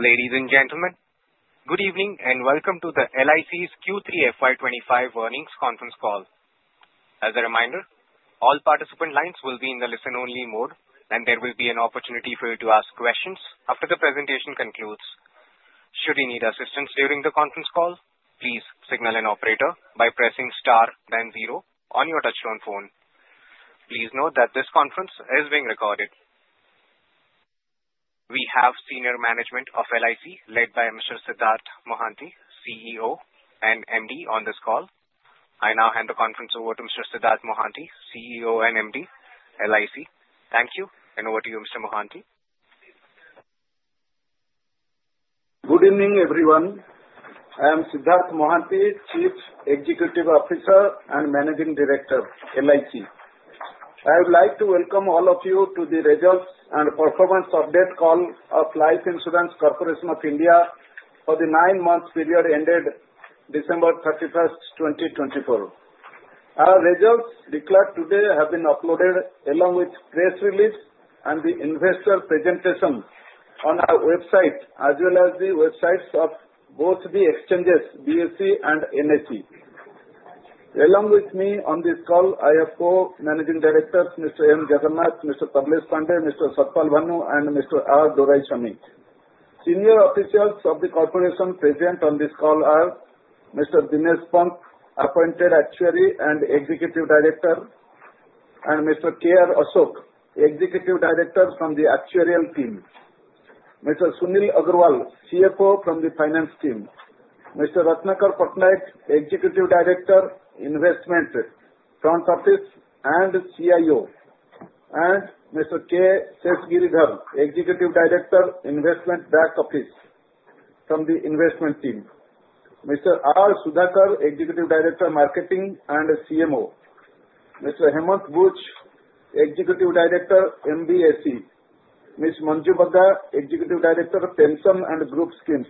Ladies and gentlemen, good evening and welcome to the LIC's Q3 FY2025 earnings conference call. As a reminder, all participant lines will be in the listen-only mode, and there will be an opportunity for you to ask questions after the presentation concludes. Should you need assistance during the conference call, please signal an operator by pressing star, then zero, on your touch-tone phone. Please note that this conference is being recorded. We have senior management of LIC led by Mr. Siddhartha Mohanty, CEO and MD, on this call. I now hand the conference over to Mr. Siddhartha Mohanty, CEO and MD, LIC. Thank you, and over to you, Mr. Mohanty. Good evening, everyone. I am Siddhartha Mohanty, Chief Executive Officer and Managing Director, LIC. I would like to welcome all of you to the results and performance update call of Life Insurance Corporation of India for the nine-month period ended December 31st, 2024. Our results declared today have been uploaded along with press release and the investor presentation on our website, as well as the websites of both the exchanges, BSE and NSE. Along with me on this call, I have four managing directors: Mr. M. Jagannath, Mr. Tablesh Pandey, Mr. Sat Pal Bhanoo, and Mr. R. Doraiswamy. Senior officials of the corporation present on this call are Mr. Dinesh Pant, Appointed Actuary and Executive Director, and Mr. K. R. Ashok, Executive Director from the Actuarial Team. Mr. Sunil Agrawal, CFO from the Finance Team. Mr. Ratnakar Patnaik, Executive Director, Investment, Front Office and CIO. And Mr. K. Seshagiridhar, Executive Director, Investment, Back Office from the Investment Team. Mr. R. Sudhakar, Executive Director, Marketing and CMO. Mr. Hemant Buch, Executive Director, MBSE. Ms. Manju Bagga, Executive Director, Pension and Group Schemes.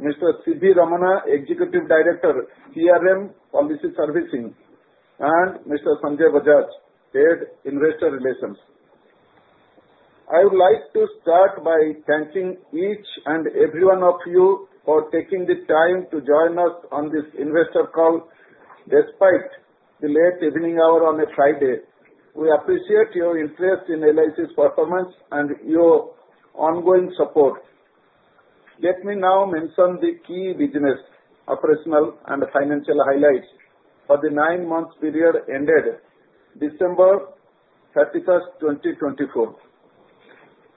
Mr. Sitaraman, Executive Director, CRM, Policy Servicing. And Mr. Sanjay Bajaj, Head, Investor Relations. I would like to start by thanking each and every one of you for taking the time to join us on this investor call despite the late evening hour on a Friday. We appreciate your interest in LIC's performance and your ongoing support. Let me now mention the key business, operational, and financial highlights for the nine-month period ended December 31st, 2024.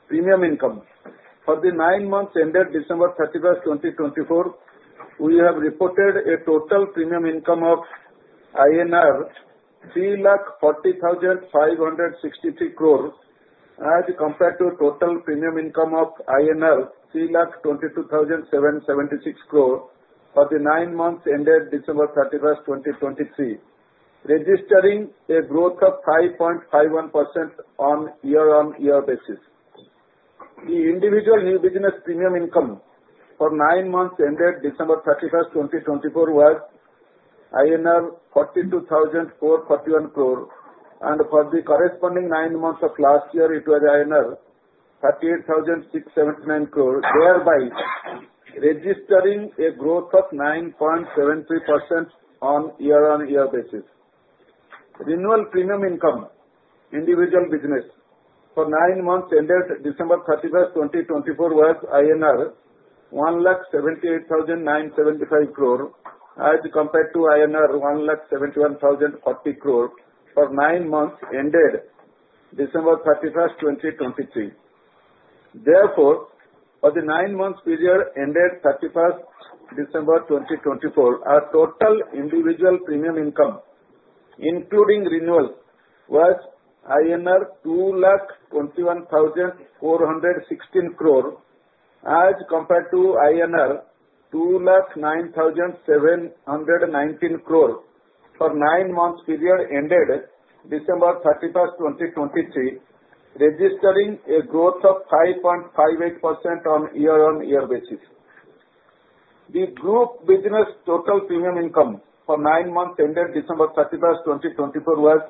Premium income: For the nine months ended December 31st, 2024, we have reported a total premium income of INR 340,563 crore as compared to total premium income of INR 322,776 crore for the nine months ended December 31st, 2023, registering a growth of 5.51% on year-on-year basis. The individual new business premium income for nine months ended December 31st, 2024 was INR 42,441 crore, and for the corresponding nine months of last year, it was INR 38,679 crore, thereby registering a growth of 9.73% on year-on-year basis. Renewal premium income individual business for nine months ended December 31st, 2024 was 178,975 crore as compared to INR 171,040 crore for nine months ended December 31st, 2023. Therefore, for the nine-month period ended December 31st, 2024, our total individual premium income, including renewal, was INR 221,416 crore as compared to INR 209,719 crore for nine-month period ended December 31st, 2023, registering a growth of 5.58% on year-on-year basis. The group business total premium income for nine months ended December 31st, 2024 was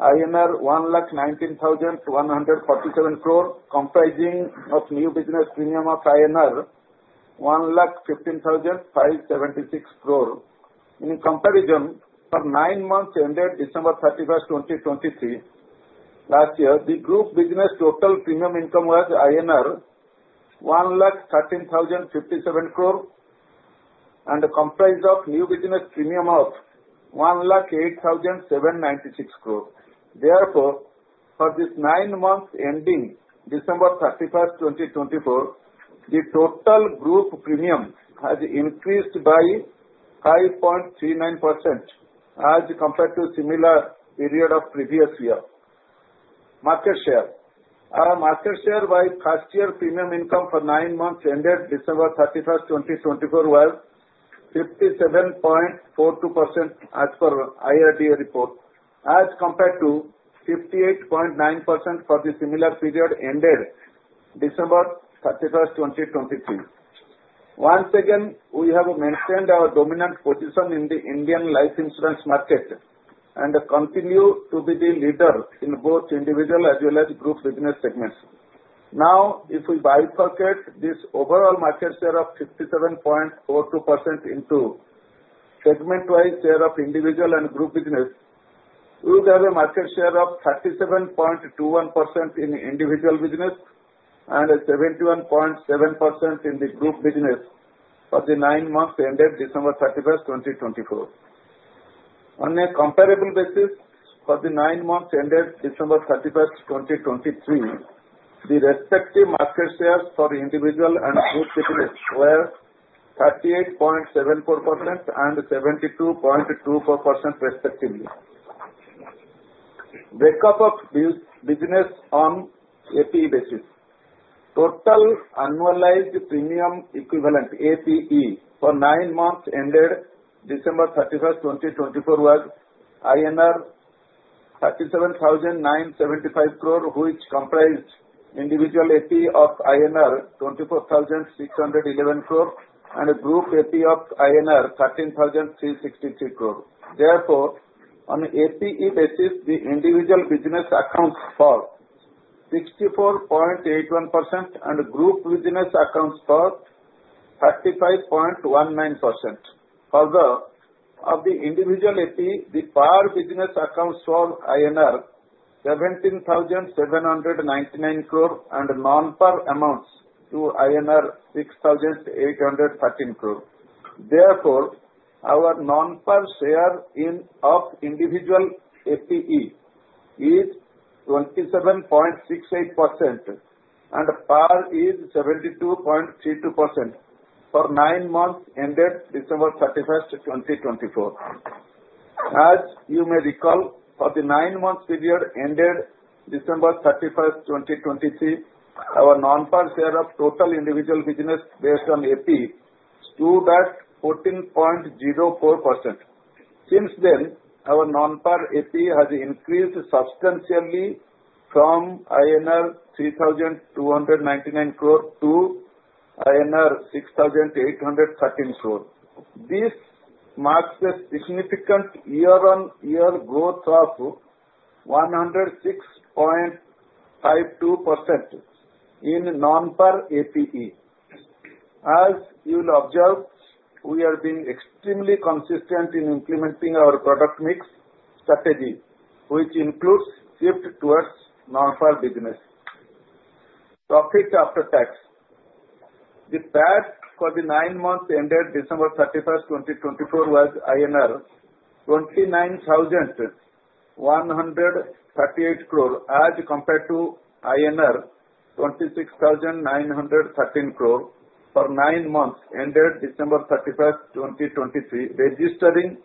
INR 119,147 crore, comprising of new business premium of INR 115,576 crore. In comparison, for nine months ended December 31st, 2023, last year, the group business total premium income was INR 113,057 crore and comprised of new business premium of 108,796 crore. Therefore, for this nine months ending December 31st, 2024, the total group premium has increased by 5.39% as compared to similar period of previous year. Market share: Our market share by past year premium income for nine months ended December 31st, 2024 was 57.42% as per IRDAI report, as compared to 58.9% for the similar period ended December 31st, 2023. Once again, we have maintained our dominant position in the Indian life insurance market and continue to be the leader in both individual as well as group business segments. Now, if we bifurcate this overall market share of 57.42% into segment-wise share of individual and group business, we would have a market share of 37.21% in individual business and 71.7% in the group business for the nine months ended December 31st, 2024. On a comparable basis, for the nine months ended December 31st, 2023, the respective market shares for individual and group business were 38.74% and 72.24% respectively. Breakup of business on APE basis: Total annualized premium equivalent (APE) for nine months ended December 31st, 2024 was INR 37,975 crore, which comprised individual APE of INR 24,611 crore and group APE of INR 13,363 crore. Therefore, on APE basis, the individual business accounts for 64.81% and group business accounts for 35.19%. Further, of the individual APE, the par business accounts for INR 17,799 crore and non-par amounts to INR 6,813 crore. Therefore, our non-par share of individual APE is 27.68% and par is 72.32% for nine months ended December 31st, 2024. As you may recall, for the nine-month period ended December 31st, 2023, our non-par share of total individual business based on APE stood at 14.04%. Since then, our non-par APE has increased substantially from INR 3,299 crore to INR 6,813 crore. This marks a significant year-on-year growth of 106.52% in non-par APE. As you will observe, we are being extremely consistent in implementing our product mix strategy, which includes shift towards non-par business. Profit after tax: The PAT for the nine months ended December 31st, 2024 was INR 29,138 crore as compared to INR 26,913 crore for nine months ended December 31st, 2023, registering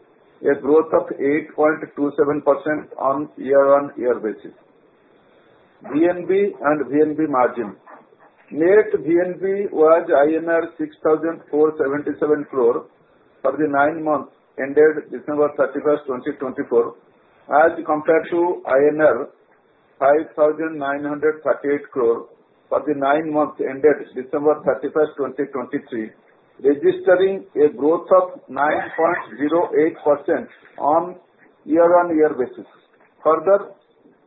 a growth of 8.27% on year-on-year basis. VNB and VNB margin: Net VNB was INR 6,477 crore for the nine months ended December 31st, 2024, as compared to 5,938 crore for the nine months ended December 31st, 2023, registering a growth of 9.08% on year-on-year basis. Further,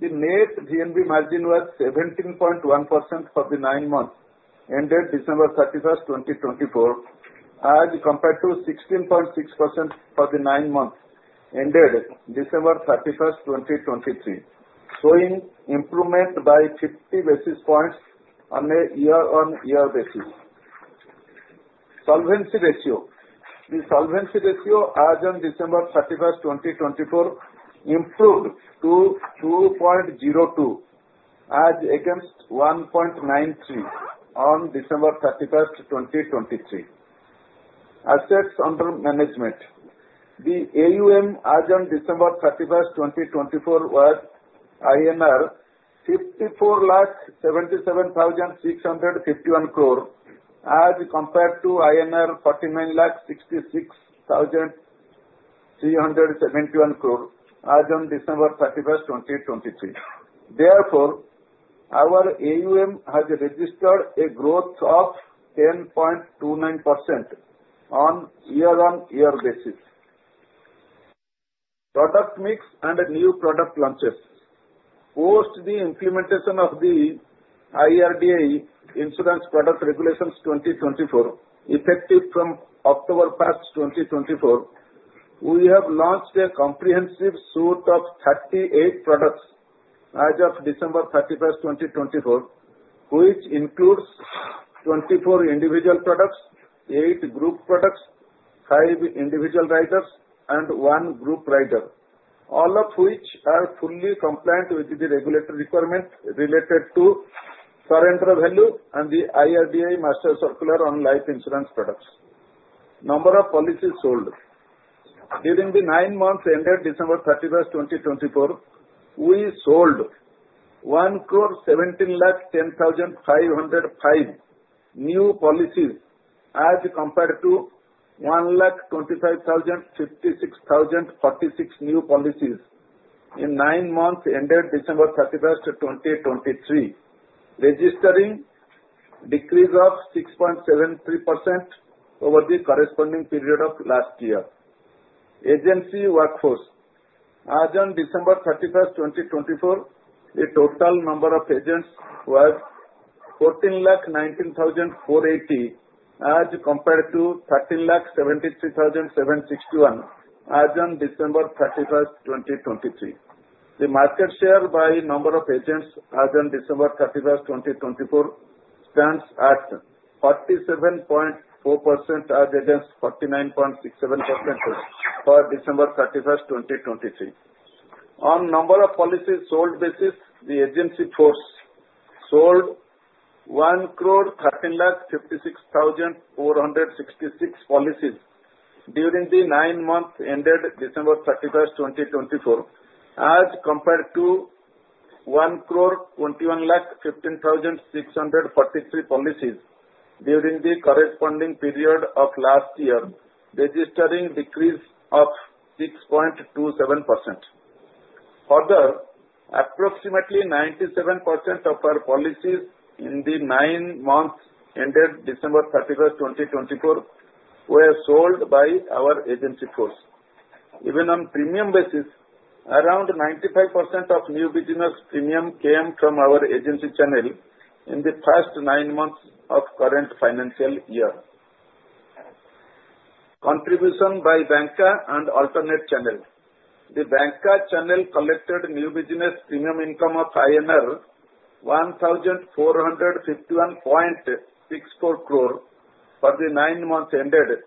the net VNB margin was 17.1% for the nine months ended December 31st, 2024, as compared to 16.6% for the nine months ended December 31st, 2023, showing improvement by 50 basis points on a year-on-year basis. Solvency ratio: The solvency ratio as on December 31st, 2024, improved to 2.02, as against 1.93 on December 31st, 2023. Assets under management: The AUM as on December 31st, 2024, was INR 54,77,651 crore, as compared to INR 49,66,371 crore as on December 31st, 2023. Therefore, our AUM has registered a growth of 10.29% on year-on-year basis. Product mix and new product launches: Post the implementation of the IRDAI Insurance Product Regulations 2024, effective from October 1st, 2024, we have launched a comprehensive suite of 38 products as of December 31st, 2024, which includes 24 individual products, eight group products, five individual riders, and one group rider, all of which are fully compliant with the regulatory requirement related to surrender value and the IRDAI Master Circular on Life Insurance Products. Number of policies sold: During the nine months ended December 31st, 2024, we sold 1,171,050 new policies as compared to 1,255,604 new policies in nine months ended December 31st, 2023, registering decrease of 6.73% over the corresponding period of last year. Agency workforce: As on December 31st, 2024, the total number of agents was 1,419,480 as compared to 1,373,761 as on December 31st, 2023. The market share by number of agents as on December 31st, 2024, stands at 47.4% as against 49.67% for December 31st, 2023. On number of policies sold basis, the agency force sold 1,135,466 policies during the nine months ended December 31st, 2024, as compared to 1,211,643 policies during the corresponding period of last year, registering decrease of 6.27%. Further, approximately 97% of our policies in the nine months ended December 31st, 2024, were sold by our agency force. Even on premium basis, around 95% of new business premium came from our agency channel in the past nine months of current financial year. Contribution by banker and alternate channel: The banker channel collected new business premium income of 1,451.64 crore for the nine months ended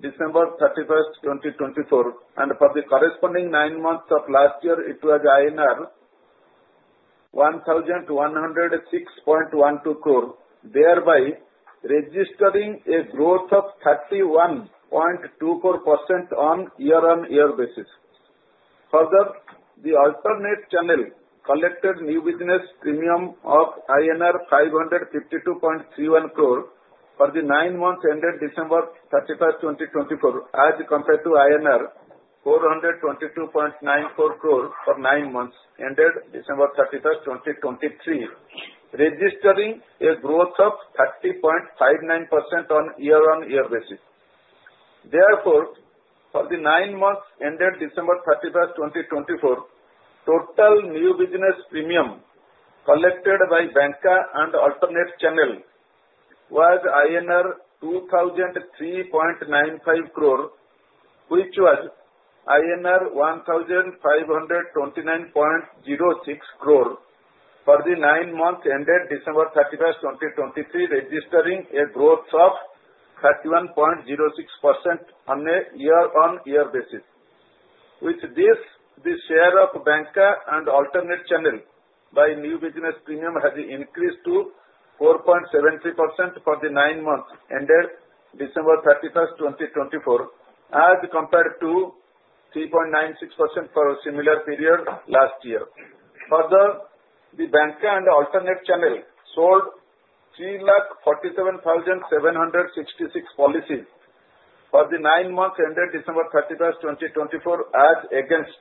December 31st, 2024, and for the corresponding nine months of last year, it was INR 1,106.12 crore, thereby registering a growth of 31.24% on year-on-year basis. Further, the alternate channel collected new business premium of INR 552.31 crore for the nine months ended December 31st, 2024, as compared to INR 422.94 crore for nine months ended December 31st, 2023, registering a growth of 30.59% on year-on-year basis. Therefore, for the nine months ended December 31st, 2024, total new business premium collected by bancassurance and alternate channel was INR 2,003.95 crore, which was INR 1,529.06 crore for the nine months ended December 31st, 2023, registering a growth of 31.06% on a year-on-year basis. With this, the share of bancassurance and alternate channel by new business premium has increased to 4.73% for the nine months ended December 31st, 2024, as compared to 3.96% for a similar period last year. Further, the bancassurance and alternate channel sold 347,766 policies for the nine months ended December 31st, 2024, as against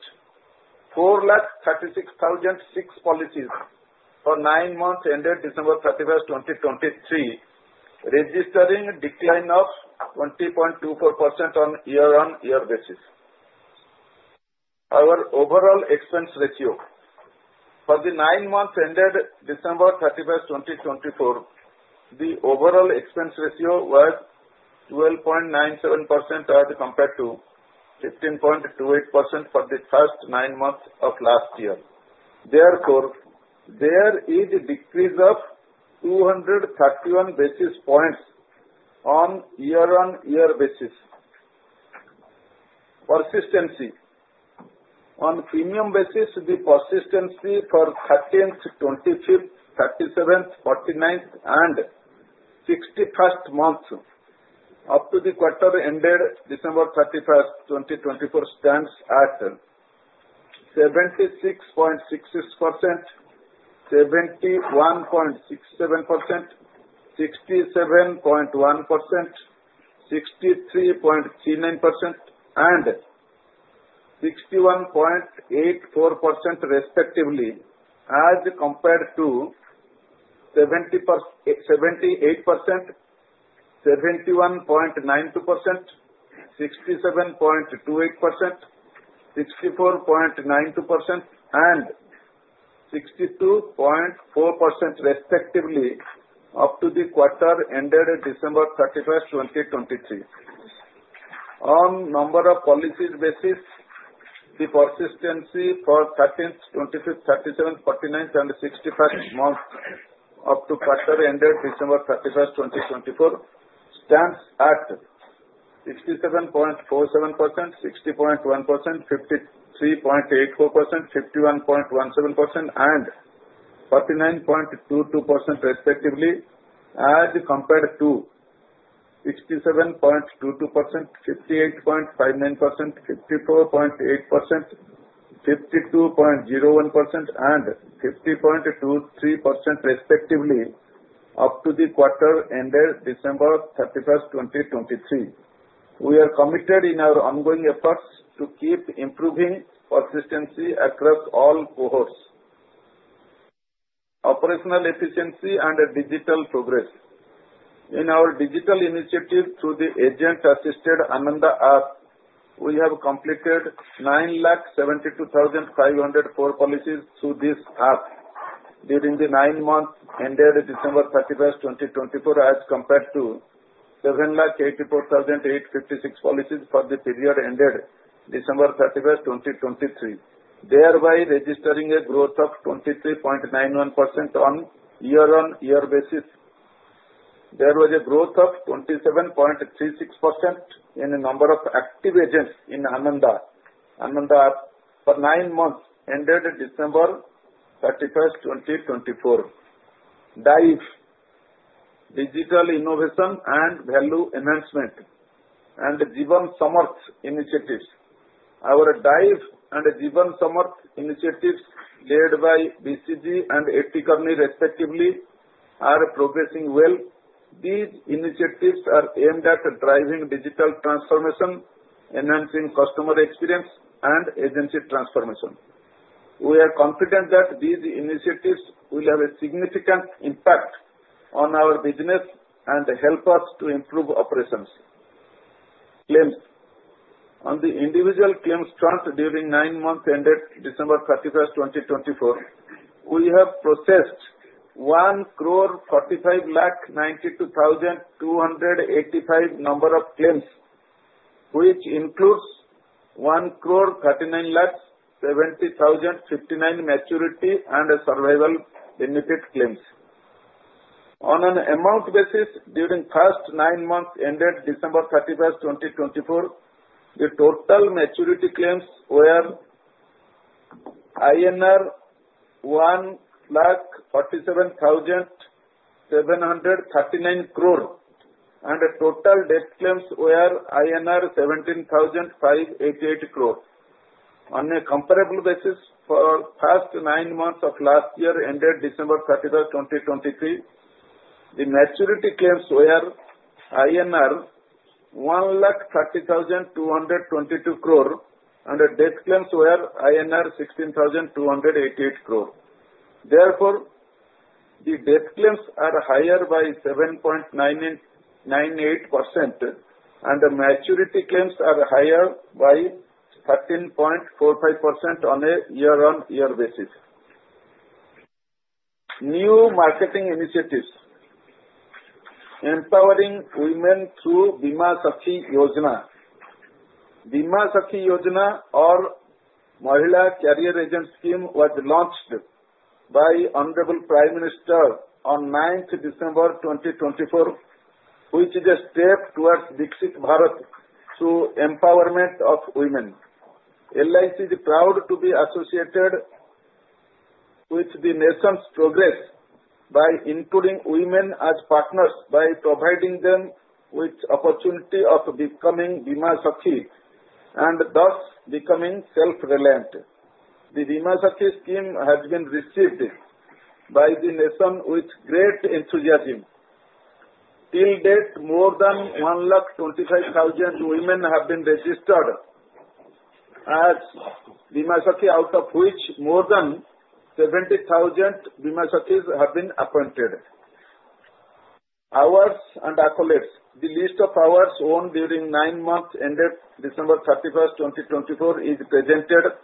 436,006 policies for nine months ended December 31st, 2023, registering a decline of 20.24% on year-on-year basis. Our overall expense ratio: For the nine months ended December 31st, 2024, the overall expense ratio was 12.97% as compared to 15.28% for the first nine months of last year. Therefore, there is a decrease of 231 basis points on year-on-year basis. Persistency: On premium basis, the persistency for 13th, 25th, 37th, 49th, and 61st months up to the quarter ended December 31st, 2024, stands at 76.66%, 71.67%, 67.1%, 63.39%, and 61.84% respectively, as compared to 78%, 71.92%, 67.28%, 64.92%, and 62.4% respectively up to the quarter ended December 31st, 2023. On number of policies basis, the persistency for 13th, 25th, 37th, 49th, and 61st months up to quarter ended December 31st, 2024, stands at 67.47%, 60.1%, 53.84%, 51.17%, and 49.22% respectively, as compared to 67.22%, 58.59%, 54.8%, 52.01%, and 50.23% respectively up to the quarter ended December 31st, 2023. We are committed in our ongoing efforts to keep improving persistency across all cohorts. Operational efficiency and digital progress: In our digital initiative through the agent-assisted ANANDA app, we have completed 972,504 policies through this app during the nine months ended December 31st, 2024, as compared to 784,856 policies for the period ended December 31st, 2023, thereby registering a growth of 23.91% on year-on-year basis. There was a growth of 27.36% in the number of active agents in ANANDA app for nine months ended December 31st, 2024. DIVE: Digital Innovation and Value Enhancement and Jeevan Samarth Initiatives: Our DIVE and Jeevan Samarth initiatives led by BCG and A.T. Kearney respectively are progressing well. These initiatives are aimed at driving digital transformation, enhancing customer experience, and agency transformation. We are confident that these initiatives will have a significant impact on our business and help us to improve operations. Claims: On the individual claims front during nine months ended December 31st, 2024, we have processed 1,450,092,285 number of claims, which includes 1,390,070,059 maturity and survival benefit claims. On an amount basis, during the first nine months ended December 31st, 2024, the total maturity claims were 1,47,739 crore, and total death claims were INR 17,588 crore. On a comparable basis, for the past nine months of last year ended December 31st, 2023, the maturity claims were INR 1,30,222 crore, and death claims were INR 16,288 crore. Therefore, the death claims are higher by 7.98%, and maturity claims are higher by 13.45% on a year-on-year basis. New marketing initiatives: Empowering Women Through Bima Sakhi Yojana: Bima Sakhi Yojana, or Mahila Career Agent Scheme, was launched by Hon'ble Prime Minister on 9th December 2024, which is a step towards Viksit Bharat through empowerment of women. LIC is proud to be associated with the nation's progress by including women as partners, by providing them with the opportunity of becoming Bima Sakhi and thus becoming self-reliant. The Bima Sakhi scheme has been received by the nation with great enthusiasm. Till date, more than 125,000 women have been registered as Bima Sakhi, out of which more than 70,000 Bima Sakhis have been appointed. Awards and Accolades: The list of awards won during nine months ended December 31st, 2024, is presented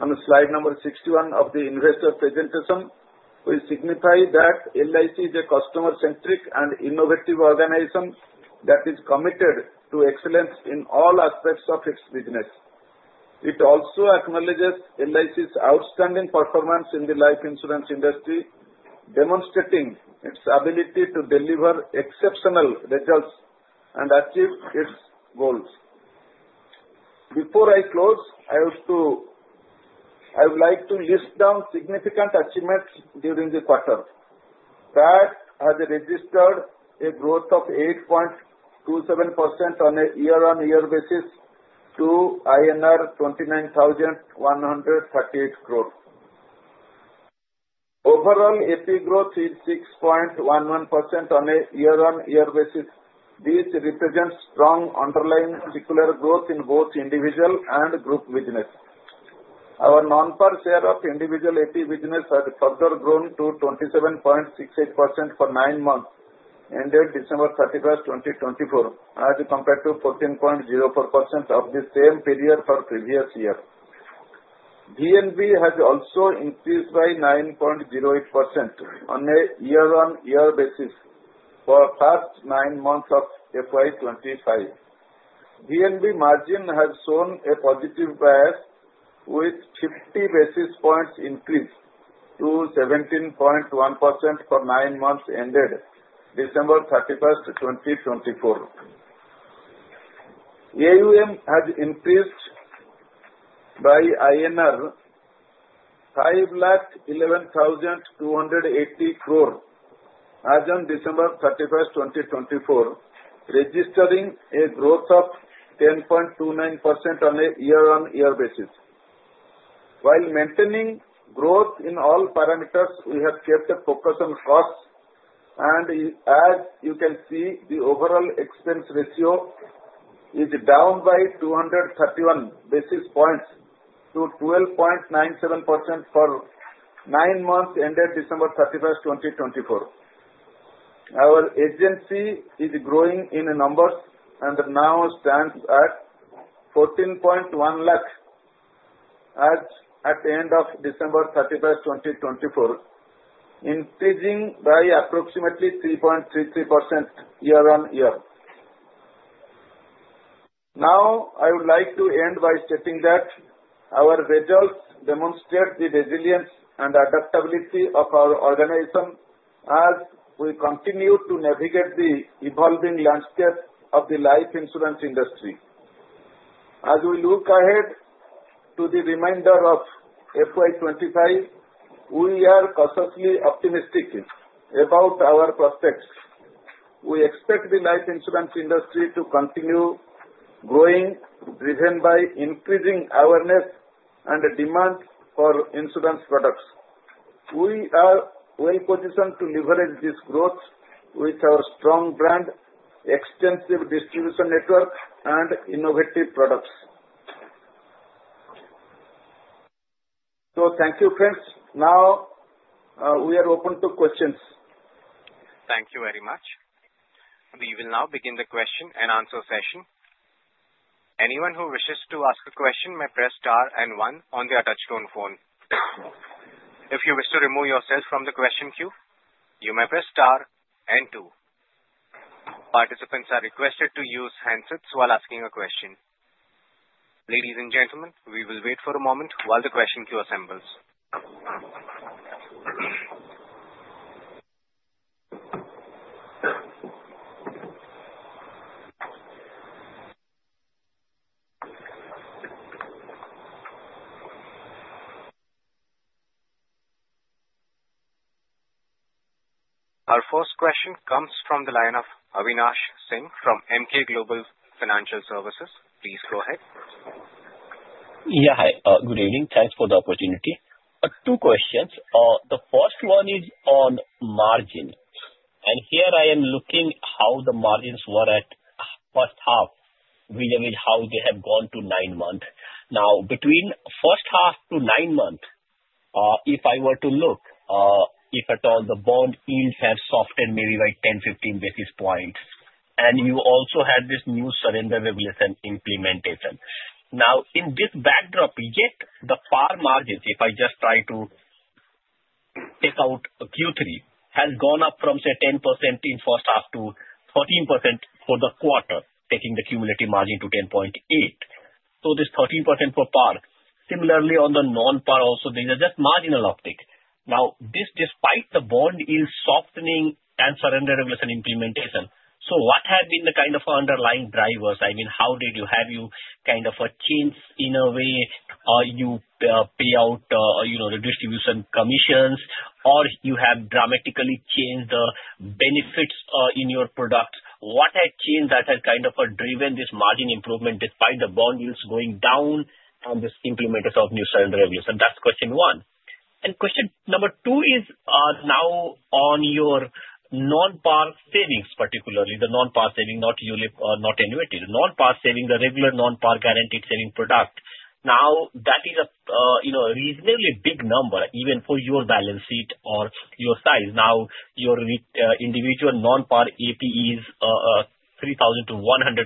on slide number 61 of the investor presentation, which signifies that LIC is a customer-centric and innovative organization that is committed to excellence in all aspects of its business. It also acknowledges LIC's outstanding performance in the life insurance industry, demonstrating its ability to deliver exceptional results and achieve its goals. Before I close, I would like to list down significant achievements during the quarter that have registered a growth of 8.27% on a year-on-year basis to INR 29,138 crore. Overall, APE growth is 6.11% on a year-on-year basis. This represents strong underlying secular growth in both individual and group business. Our non-par share of individual APE business has further grown to 27.68% for nine months ended December 31st, 2024, as compared to 14.04% of the same period for the previous year. VNB has also increased by 9.08% on a year-on-year basis for the first nine months of FY2025. VNB margin has shown a positive bias, with 50 basis points increase to 17.1% for nine months ended December 31st, 2024. AUM has increased by INR 511,280 crore as of December 31st, 2024, registering a growth of 10.29% on a year-on-year basis. While maintaining growth in all parameters, we have kept a focus on costs, and as you can see, the overall expense ratio is down by 231 basis points to 12.97% for nine months ended December 31st, 2024. Our agency is growing in numbers and now stands at 14.1 lakhs as at the end of December 31st, 2024, increasing by approximately 3.33% year-on-year. Now, I would like to end by stating that our results demonstrate the resilience and adaptability of our organization as we continue to navigate the evolving landscape of the life insurance industry. As we look ahead to the remainder of FY2025, we are cautiously optimistic about our prospects. We expect the life insurance industry to continue growing, driven by increasing awareness and demand for insurance products. We are well-positioned to leverage this growth with our strong brand, extensive distribution network, and innovative products. So thank you, friends. Now, we are open to questions. Thank you very much. We will now begin the question-and-answer session. Anyone who wishes to ask a question may press star and one on the touch-tone phone. If you wish to remove yourself from the question queue, you may press star and two. Participants are requested to use handsets while asking a question. Ladies and gentlemen, we will wait for a moment while the question queue assembles. Our first question comes from the line of Avinash Singh from Emkay Global Financial Services. Please go ahead. Yeah, hi. Good evening. Thanks for the opportunity. Two questions. The first one is on margin, and here I am looking at how the margins were at first half, which is how they have gone to nine months. Now, between first half to nine months, if I were to look, if at all, the bond yields have softened maybe by 10-15 basis points. And you also had this new surrender regulation implementation. Now, in this backdrop, yet the par margin, if I just try to take out Q3, has gone up from, say, 10% in first half to 13% for the quarter, taking the cumulative margin to 10.8%. So there's 13% for par. Similarly, on the non-par also, these are just marginal uptick. Now, this despite the bond yield softening and surrender regulation implementation. So what have been the kind of underlying drivers? I mean, how did you have you kind of a change in a way? You pay out the distribution commissions, or you have dramatically changed the benefits in your products. What has changed that has kind of driven this margin improvement despite the bond yields going down and this implementation of new surrender regulation? That's question one. And question number two is now on your non-par savings, particularly the non-par saving, not annuity. The non-par saving, the regular non-par guaranteed saving product. Now, that is a reasonably big number, even for your balance sheet or your size. Now, your individual non-par APE is 3,100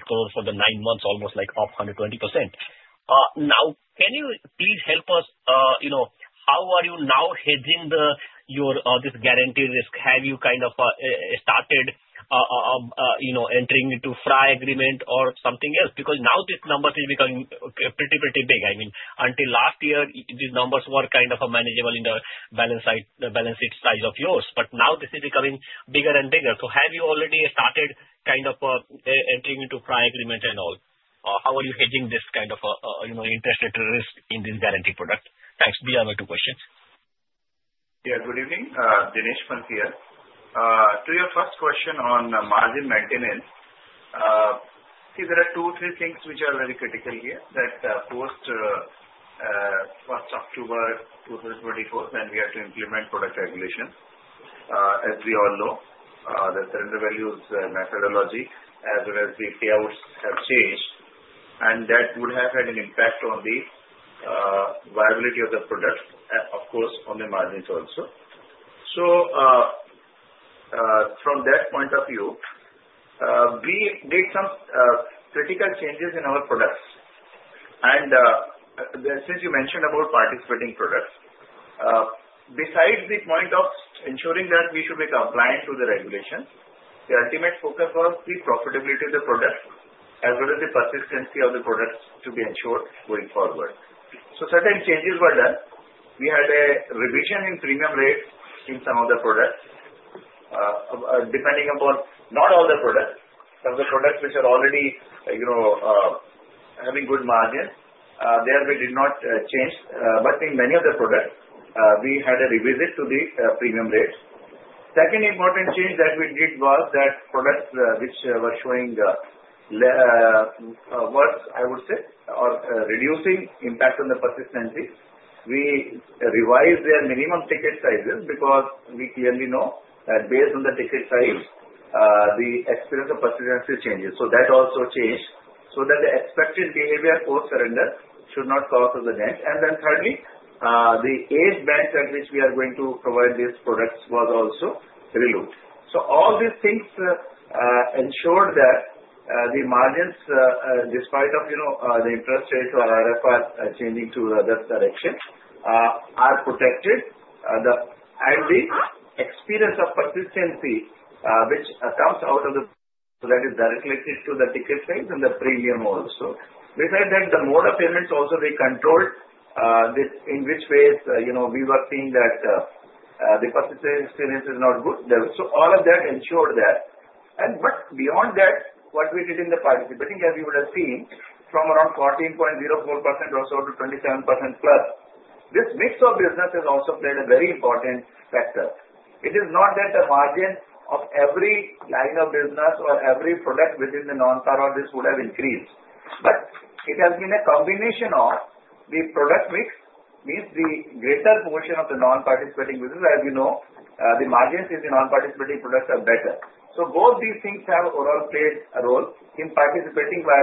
crore for the nine months, almost like off 120%. Now, can you please help us? How are you now hedging this guaranteed risk? Have you kind of started entering into FRA agreement or something else? Because now these numbers are becoming pretty, pretty big. I mean, until last year, these numbers were kind of manageable in the balance sheet size of yours. But now this is becoming bigger and bigger. So have you already started kind of entering into FRA agreement and all? How are you hedging this kind of interest-related risk in this guarantee product? Thanks. These are my two questions. Yeah, good evening. Dinesh Pant. To your first question on margin maintenance, see, there are two or three things which are very critical here that post 1st October 2024, when we had to implement product regulation, as we all know, the surrender values methodology, as well as the payouts, have changed, and that would have had an impact on the viability of the product, of course, on the margins also. So from that point of view, we made some critical changes in our products. Since you mentioned about participating products, besides the point of ensuring that we should be compliant with the regulations, the ultimate focus was the profitability of the product, as well as the persistency of the products to be ensured going forward. Certain changes were done. We had a revision in premium rates in some of the products, depending upon not all the products, some of the products which are already having good margins. There we did not change. In many of the products, we had a revisit to the premium rates. Second important change that we did was that products which were showing worse, I would say, or reducing impact on the persistency, we revised their minimum ticket sizes because we clearly know that based on the ticket size, the experience of persistency changes. So that also changed so that the expected behavior post-surrender should not cause the damage. And then thirdly, the age band at which we are going to provide these products was also reviewed. So all these things ensured that the margins, despite the interest rates or RFR changing to the other direction, are protected. And the experience of persistency which comes out of the product is directly linked to the ticket size and the premium also. Besides that, the mode of payments also they controlled in which ways we were seeing that the persistency experience is not good. So all of that ensured that. But beyond that, what we did in the participating, as you would have seen, from around 14.04% or so to 27%+, this mix of business has also played a very important factor. It is not that the margin of every line of business or every product within the non-par products would have increased, but it has been a combination of the product mix, means the greater portion of the non-participating business, as we know, the margins in the non-participating products are better, so both these things have overall played a role in participating by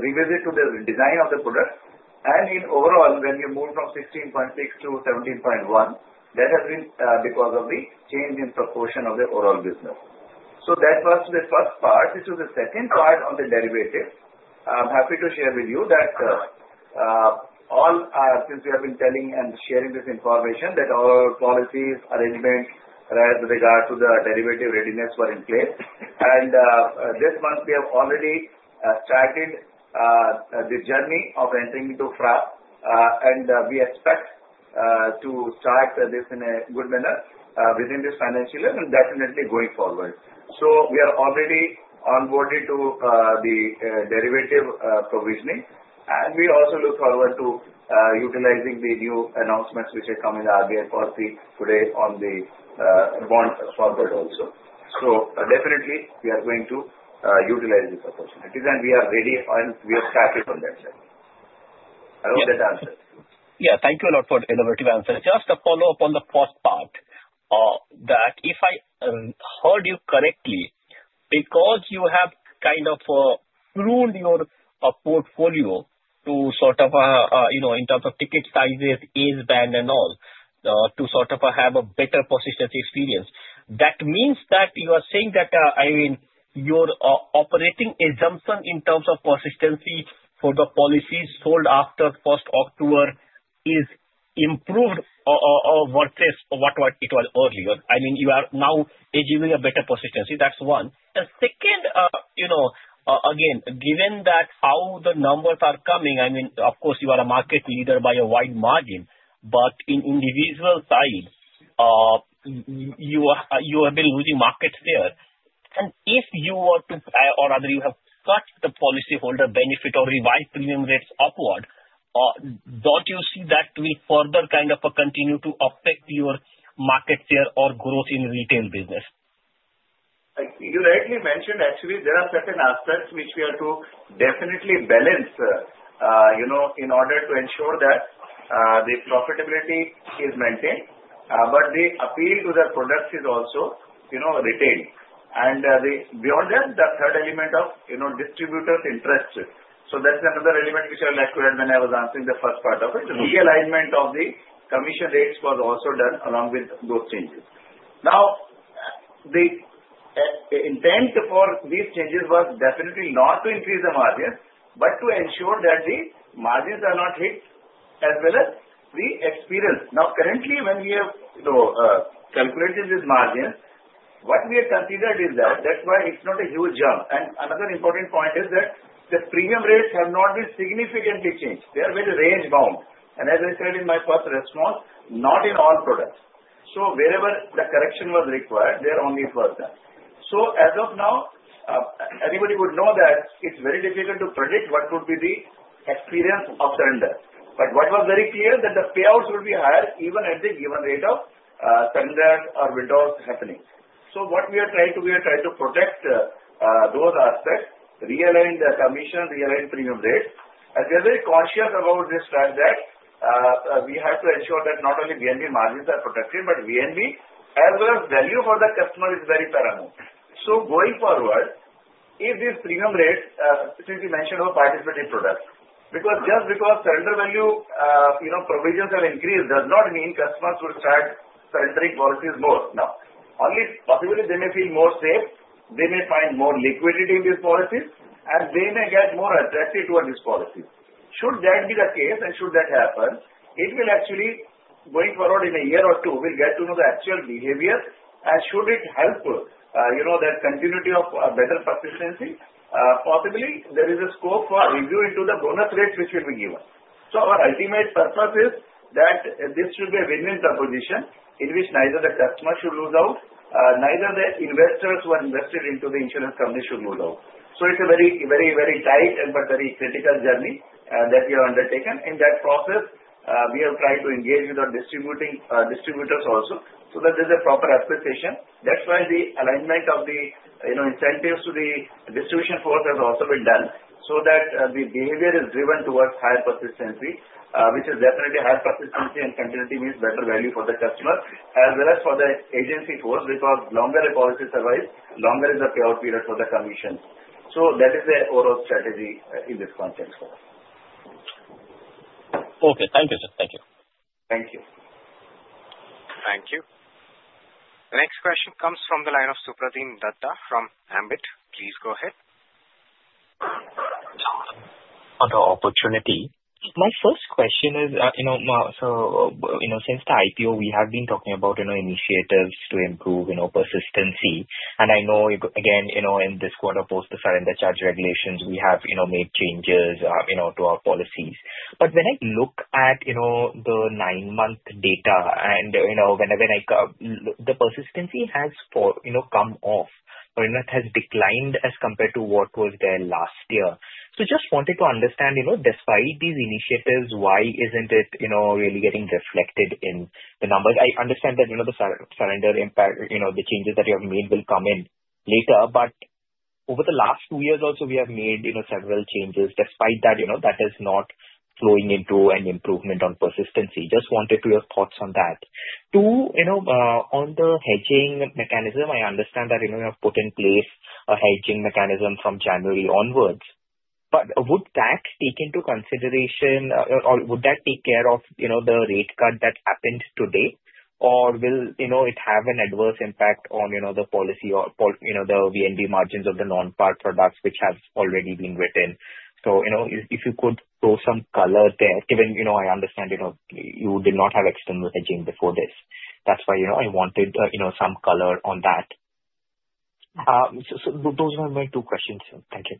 revisit to the design of the product, and in overall, when you move from 16.6%-17.1%, that has been because of the change in proportion of the overall business. So that was the first part. This is the second part of the derivative. I'm happy to share with you that, since we have been telling and sharing this information, that all our policies, arrangements with regard to the derivative readiness were in place, and this month, we have already started the journey of entering into FRA. We expect to start this in a good manner within this financial year and definitely going forward. So we are already onboarded to the derivative provisioning. And we also look forward to utilizing the new announcements which have come in the RBI policy today on the bond forwards also. So definitely, we are going to utilize these opportunities. And we are ready, and we are started on that side. I hope that answers. Yeah, thank you a lot for the innovative answers. Just a follow-up on the first part, that if I heard you correctly, because you have kind of pruned your portfolio to sort of in terms of ticket sizes, age band, and all, to sort of have a better persistency experience, that means that you are saying that, I mean, your operating assumption in terms of persistency for the policies sold after 1st October is improved versus what it was earlier. I mean, you are now achieving a better persistency. That's one. The second, again, given that how the numbers are coming, I mean, of course, you are a market leader by a wide margin. But in individual side, you have been losing markets there. If you were to, or rather, you have cut the policyholder benefit or revised premium rates upward, don't you see that will further kind of continue to affect your market share or growth in retail business? You rightly mentioned, actually, there are certain aspects which we have to definitely balance in order to ensure that the profitability is maintained. But the appeal to the products is also retained. Beyond that, the third element of distributors' interests. That's another element which I articulated when I was answering the first part of it. The realignment of the commission rates was also done along with those changes. The intent for these changes was definitely not to increase the margins, but to ensure that the margins are not hit, as well as the experience. Now, currently, when we have calculated these margins, what we have considered is that that's why it's not a huge jump, and another important point is that the premium rates have not been significantly changed. They are very range-bound, and as I said in my first response, not in all products, so wherever the correction was required, there only it was done, so as of now, anybody would know that it's very difficult to predict what would be the experience of surrender, but what was very clear is that the payouts would be higher even at the given rate of surrender or withdrawals happening, so what we are trying to do, we are trying to protect those aspects, realign the commission, realign premium rates. We are very conscious about this fact that we have to ensure that not only VNB margins are protected, but VNB, as well as value for the customer, is very paramount. Going forward, if these premium rates, since you mentioned about participating products, because just because surrender value provisions have increased does not mean customers will start surrendering policies more now. Only possibly they may feel more safe. They may find more liquidity in these policies, and they may get more attractive towards these policies. Should that be the case, and should that happen, it will actually, going forward in a year or two, we'll get to know the actual behavior. Should it help that continuity of better persistency, possibly there is a scope for review into the bonus rates which will be given. So our ultimate purpose is that this should be a win-win proposition in which neither the customer should lose out, neither the investors who are invested into the insurance company should lose out. So it's a very, very, very tight but very critical journey that we have undertaken. In that process, we have tried to engage with our distributors also so that there's a proper application. That's why the alignment of the incentives to the distribution force has also been done so that the behavior is driven towards higher persistency, which is definitely higher persistency and continuity means better value for the customer, as well as for the agency force because the longer the policies arise, longer is the payout period for the commissions. So that is the overall strategy in this context. Okay. Thank you, sir. Thank you. Thank you. The next question comes from the line of Supratim Datta from Ambit. Please go ahead. On the opportunity, my first question is, so since the IPO, we have been talking about initiatives to improve persistency. And I know, again, in this quarter, post-surrender charge regulations, we have made changes to our policies. But when I look at the nine-month data and when I see the persistency has come off or has declined as compared to what was there last year. So just wanted to understand, despite these initiatives, why isn't it really getting reflected in the numbers? I understand that the surrender impact, the changes that you have made, will come in later. But over the last two years also, we have made several changes. Despite that, that is not flowing into an improvement on persistency. Just wanted to hear thoughts on that. Two, on the hedging mechanism, I understand that you have put in place a hedging mechanism from January onwards. But would that take into consideration, or would that take care of the rate cut that happened today? Or will it have an adverse impact on the policy or the VNB margins of the non-par products which have already been written? So if you could throw some color there, given I understand you did not have external hedging before this. That's why I wanted some color on that. So those are my two questions. Thank you.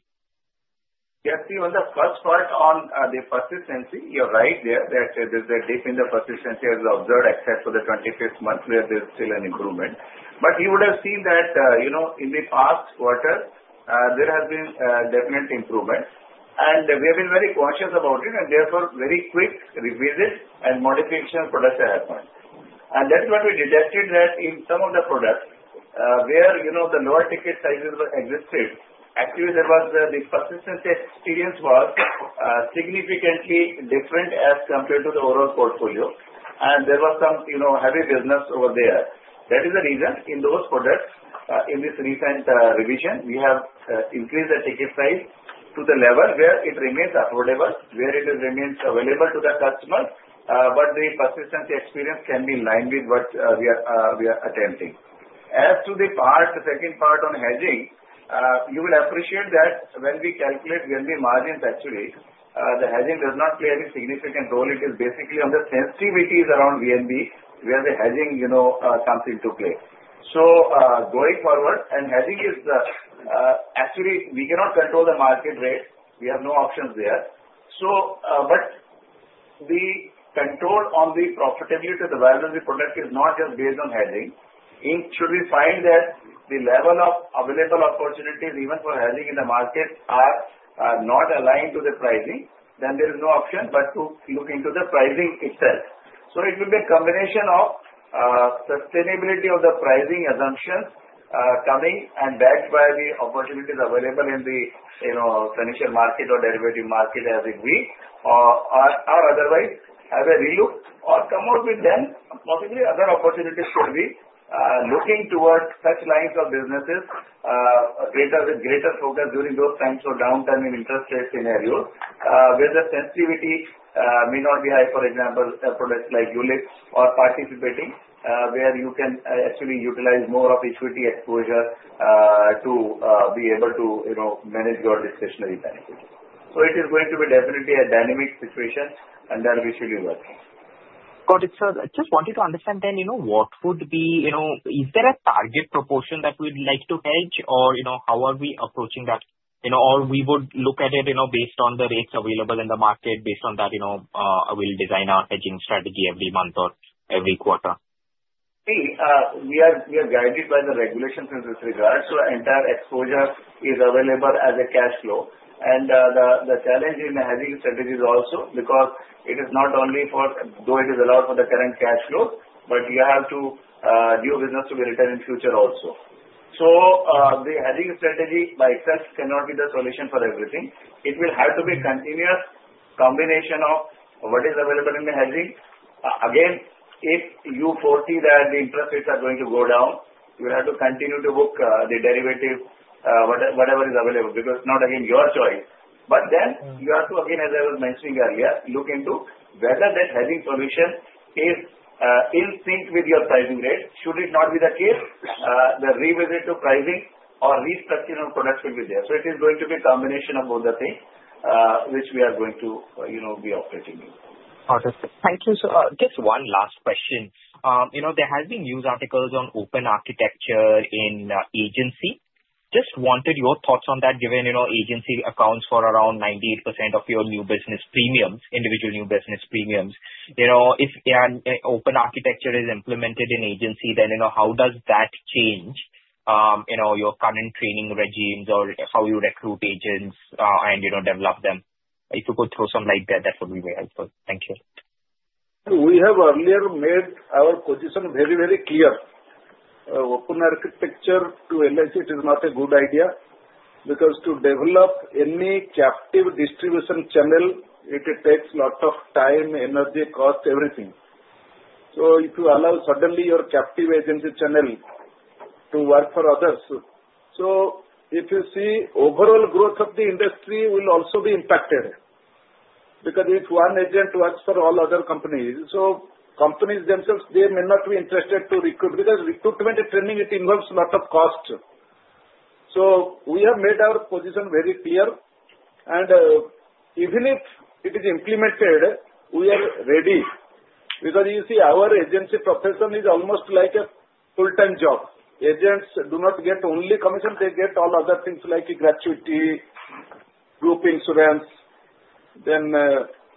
Yes. On the first part on the persistency, you're right there that there's a dip in the persistency as observed except for the 25th month where there's still an improvement. But you would have seen that in the past quarter, there has been definite improvement. And we have been very conscious about it. Therefore, very quick revisit and modification of products that happened. That is what we detected that in some of the products where the lower ticket sizes existed, actually, the persistency experience was significantly different as compared to the overall portfolio. There was some heavy business over there. That is the reason in those products, in this recent revision, we have increased the ticket size to the level where it remains affordable, where it remains available to the customer. The persistency experience can be in line with what we are attempting. As to the second part on hedging, you will appreciate that when we calculate VNB margins, actually, the hedging does not play any significant role. It is basically on the sensitivities around VNB where the hedging comes into play. Going forward, and hedging is actually, we cannot control the market rate. We have no options there. But the control on the profitability to the value of the product is not just based on hedging. Should we find that the level of available opportunities, even for hedging in the market, are not aligned to the pricing, then there is no option but to look into the pricing itself. So it will be a combination of sustainability of the pricing assumptions coming and backed by the opportunities available in the financial market or derivative market as it be, or otherwise, have a relook or come out with them. Possibly other opportunities could be looking towards such lines of businesses, greater focus during those times of downtime in interest rate scenarios where the sensitivity may not be high. For example, products like ULIP or participating where you can actually utilize more of equity exposure to be able to manage your discretionary benefits. So it is going to be definitely a dynamic situation, and that we should be working. Got it. So I just wanted to understand then what would be is there a target proportion that we'd like to hedge, or how are we approaching that? Or we would look at it based on the rates available in the market, based on that, we'll design our hedging strategy every month or every quarter? We are guided by the regulations in this regard. So entire exposure is available as a cash flow. And the challenge in the hedging strategy is also because it is not only for though it is allowed for the current cash flow, but you have to do business to be returned in future also. So the hedging strategy by itself cannot be the solution for everything. It will have to be a continuous combination of what is available in the hedging. Again, if you foresee that the interest rates are going to go down, you have to continue to book the derivative, whatever is available, because not again your choice. But then you have to, again, as I was mentioning earlier, look into whether that hedging solution is in sync with your pricing rate. Should it not be the case, the revisit to pricing or restructuring of products will be there. So it is going to be a combination of both the things which we are going to be operating in. Got it. Thank you. So just one last question. There have been news articles on open architecture in agency. Just wanted your thoughts on that, given agency accounts for around 98% of your new business premiums, individual new business premiums. If open architecture is implemented in agency, then how does that change your current training regimes or how you recruit agents and develop them? If you could throw some light there, that would be very helpful. Thank you. We have earlier made our position very, very clear. Open architecture to LIC, it is not a good idea because to develop any captive distribution channel, it takes a lot of time, energy, cost, everything. So if you allow suddenly your captive agency channel to work for others. So if you see, overall growth of the industry will also be impacted because if one agent works for all other companies. So companies themselves, they may not be interested to recruit because recruitment and training, it involves a lot of cost. So we have made our position very clear. And even if it is implemented, we are ready because you see, our agency profession is almost like a full-time job. Agents do not get only commission. They get all other things like gratuity, group insurance. Then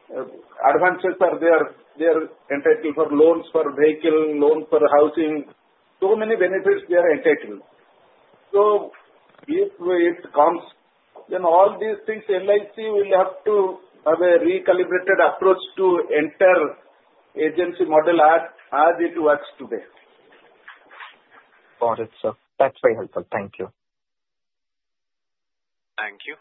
advances are there. They are entitled for loans for vehicle, loans for housing. So many benefits they are entitled. So if it comes, then all these things, LIC will have to have a recalibrated approach to enter agency model as it works today. Got it, sir. That's very helpful. Thank you. Thank you.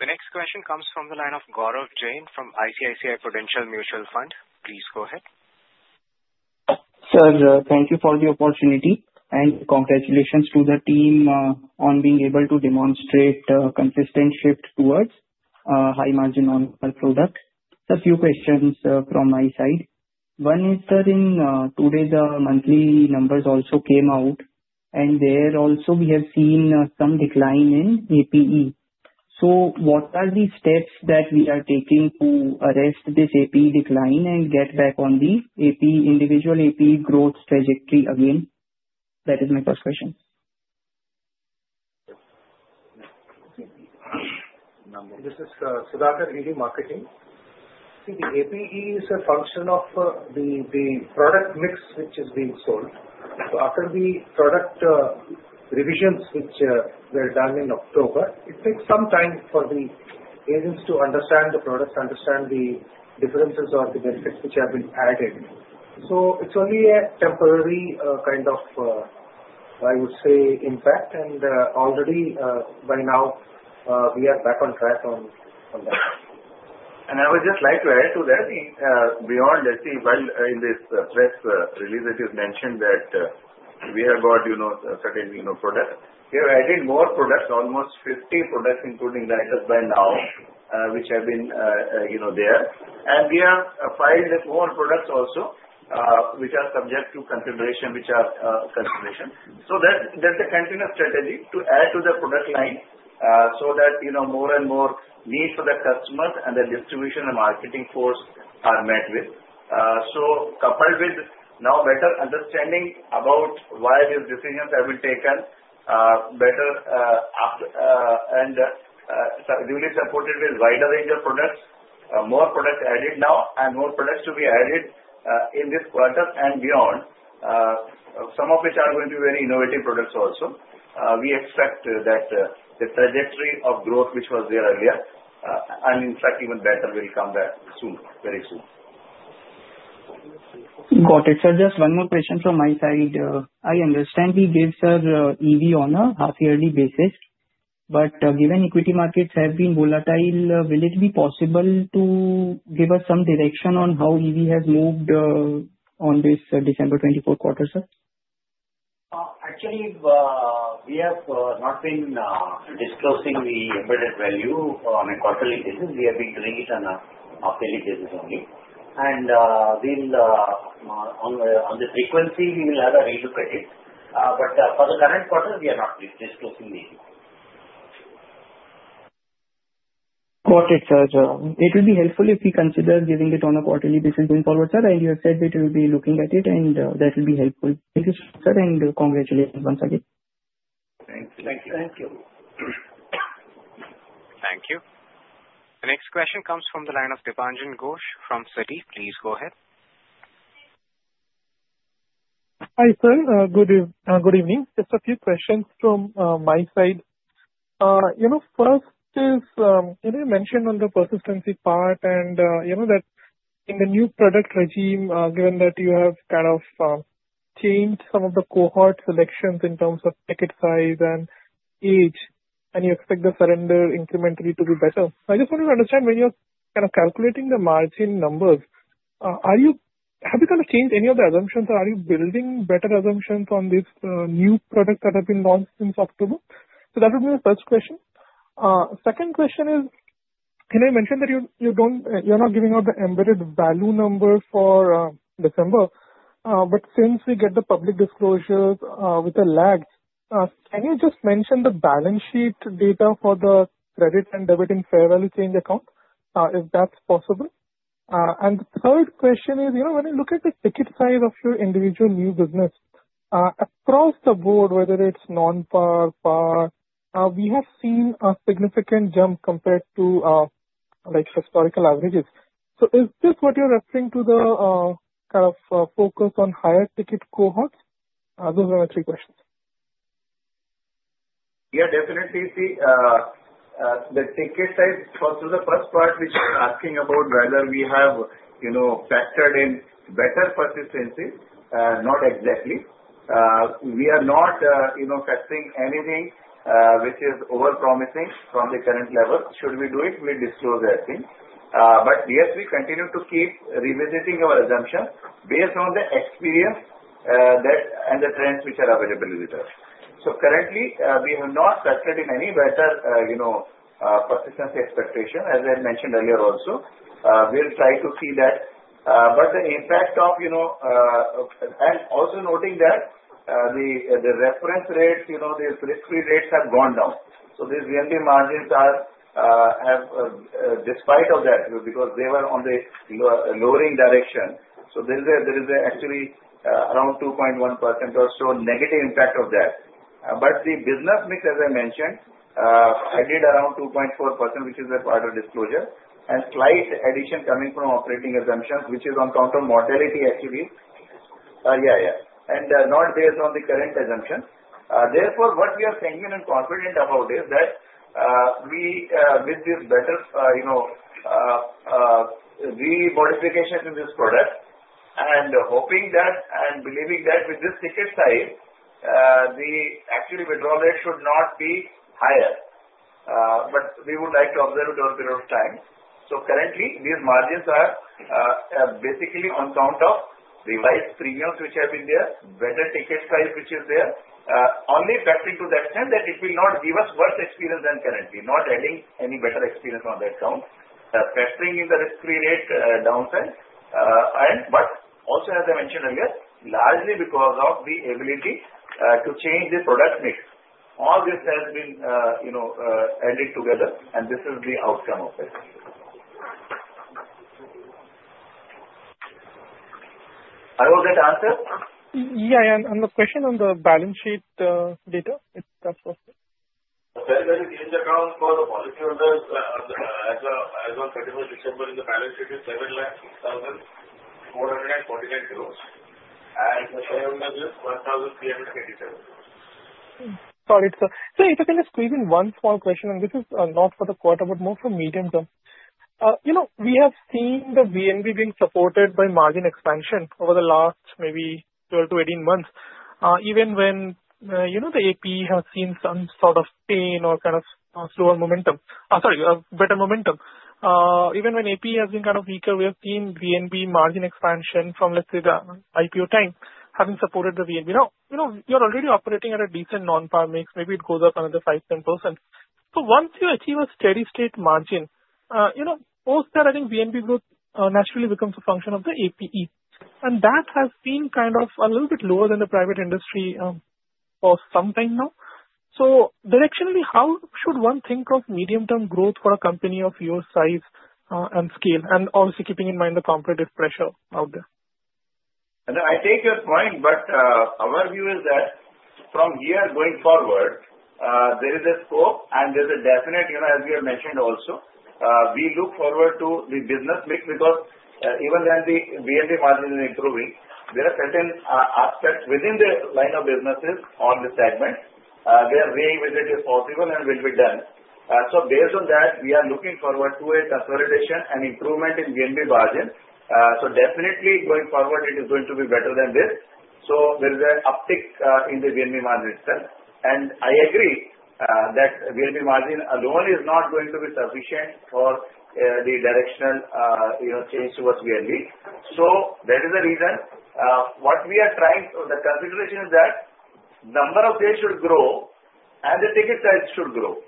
The next question comes from the line of Gaurav Jain from ICICI Prudential Mutual Fund. Please go ahead. Sir, thank you for the opportunity. And congratulations to the team on being able to demonstrate a consistent shift towards a high-margin product. A few questions from my side. One is, sir, in today, the monthly numbers also came out. And there also, we have seen some decline in APE. So what are the steps that we are taking to arrest this APE decline and get back on the individual APE growth trajectory again? That is my first question. This is Sudhakar ED Marketing. See, the APE is a function of the product mix which is being sold. So after the product revisions which were done in October, it takes some time for the agents to understand the products, understand the differences or the benefits which have been added. So it's only a temporary kind of, I would say, impact. And already, by now, we are back on track on that. And I would just like to add to that, beyond LIC, while in this press release, it is mentioned that we have got certain products. We have added more products, almost 50 products, including riders by now, which have been there. And we have filed more products also which are subject to consideration. So there's a continuous strategy to add to the product line so that more and more needs for the customers and the distribution and marketing force are met with. So coupled with now better understanding about why these decisions have been taken, better and really supported with wider range of products, more products added now, and more products to be added in this quarter and beyond, some of which are going to be very innovative products also. We expect that the trajectory of growth, which was there earlier, and in fact, even better, will come back soon, very soon. Got it, sir. Just one more question from my side. I understand we gave, sir, EV on a half-yearly basis. But given equity markets have been volatile, will it be possible to give us some direction on how EV has moved on this December 24th quarter, sir? Actually, we have not been disclosing the embedded value on a quarterly basis. We have been doing it on a quarterly basis only. And on the frequency, we will have a relook at it. But for the current quarter, we are not disclosing the EV. Got it, sir. It will be helpful if we consider giving it on a quarterly basis going forward, sir. And you have said that you will be looking at it, and that will be helpful. Thank you, sir. And congratulations once again. Thank you. Thank you. Thank you. The next question comes from the line of Dipanjan Ghosh from Citi. Please go ahead. Hi, sir. Good evening. Just a few questions from my side. First is, you mentioned on the persistency part and that in the new product regime, given that you have kind of changed some of the cohort selections in terms of ticket size and age, and you expect the surrender incrementally to be better. I just wanted to understand when you're kind of calculating the margin numbers, have you kind of changed any of the assumptions, or are you building better assumptions on these new products that have been launched since October? So that would be my first question. Second question is, you mentioned that you're not giving out the embedded value number for December. But since we get the public disclosures with the lags, can you just mention the balance sheet data for the credit and debit and fair value change account, if that's possible? And the third question is, when I look at the ticket size of your individual new business, across the board, whether it's non-par, par, we have seen a significant jump compared to historical averages. So is this what you're referring to, the kind of focus on higher ticket cohorts? Those are my three questions. Yeah, definitely. See, the ticket size for the first part, which you're asking about, whether we have factored in better persistency, not exactly. We are not factoring anything which is overpromising from the current level. Should we do it, we disclose everything. But yes, we continue to keep revisiting our assumption based on the experience and the trends which are available with us. So currently, we have not factored in any better persistency expectation, as I mentioned earlier also. We'll try to see that. But the impact of and also noting that the reference rates, the risk-free rates have gone down, so these VNB margins have, despite of that, because they were on the lowering direction, so there is actually around 2.1% or so negative impact of that. But the business mix, as I mentioned, added around 2.4%, which is a part of disclosure, and slight addition coming from operating assumptions, which is on counter-cyclicality, actually. Yeah, yeah, and not based on the current assumption. Therefore, what we are thinking and confident about is that with this better re-modification in this product and hoping that and believing that with this ticket size, the actual withdrawal rate should not be higher, but we would like to observe it over a period of time. So currently, these margins are basically on account of revised premiums which have been there, better ticket size which is there, only factoring to the extent that it will not give us worse experience than currently, not adding any better experience on that count. Factoring in the risk-free rate downside. But also, as I mentioned earlier, largely because of the ability to change the product mix. All this has been added together, and this is the outcome of it. I hope that answers. Yeah, yeah. And the question on the balance sheet data, if that's possible. The fair value change account for the policyholders as of 31st December in the balance sheet is INR 7,000,449, and the shareholders is INR 1,387. Got it, sir. So if I can just squeeze in one small question, and this is not for the quarter, but more for medium term. We have seen the VNB being supported by margin expansion over the last maybe 12-18 months. Even when the APE has seen some sort of pain or kind of slower momentum sorry, better momentum. Even when APE has been kind of weaker, we have seen VNB margin expansion from, let's say, the IPO time having supported the VNB. Now, you're already operating at a decent non-par mix. Maybe it goes up another 5%-10%. So once you achieve a steady-state margin, mostly, I think VNB growth naturally becomes a function of the APE. And that has been kind of a little bit lower than the private industry for some time now. So directionally, how should one think of medium-term growth for a company of your size and scale, and obviously keeping in mind the competitive pressure out there? I take your point, but our view is that from here going forward, there is a scope, and there's a definite, as you have mentioned also. We look forward to the business mix because even when the VNB margin is improving, there are certain aspects within the line of businesses on the segment where revisit is possible and will be done, so based on that, we are looking forward to a consolidation and improvement in VNB margin, so definitely, going forward, it is going to be better than this, so there is an uptick in the VNB margin itself, and I agree that VNB margin alone is not going to be sufficient for the directional change towards VNB, so that is the reason. What we are trying, the consideration is that number of shares should grow, and the ticket size should grow.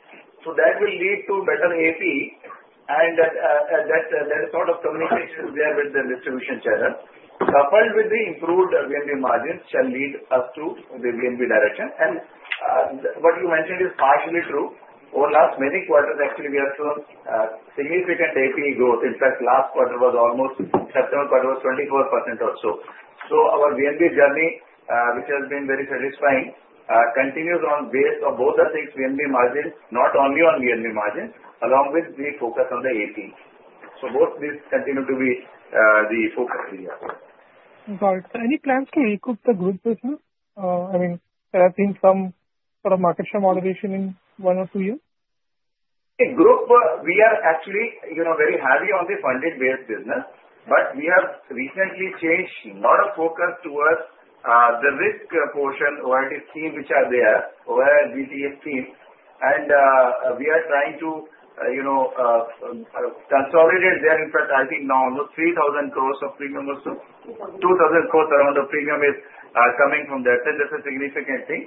So that will lead to better APE, and that sort of communication is there with the distribution channel. Coupled with the improved VNB margins shall lead us to the VNB direction. And what you mentioned is partially true. Over the last many quarters, actually, we have shown significant APE growth. In fact, last quarter was almost September quarter was 24% or so. So our VNB journey, which has been very satisfying, continues on basis of both the APE and VNB margins, not only on VNB margins, along with the focus on the APE. So both these continue to be the focus area. Got it. Any plans to recoup the group business? I mean, there have been some sort of market share moderation in one or two years. Group, we are actually very heavy on the funded-based business. But we have recently changed a lot of focus towards the risk portion, OYRGTA team, which are there, ORGTA team. And we are trying to consolidate there. In fact, I think now almost 3,000 of premium also. 2,000 around of premium is coming from that. And that's a significant thing.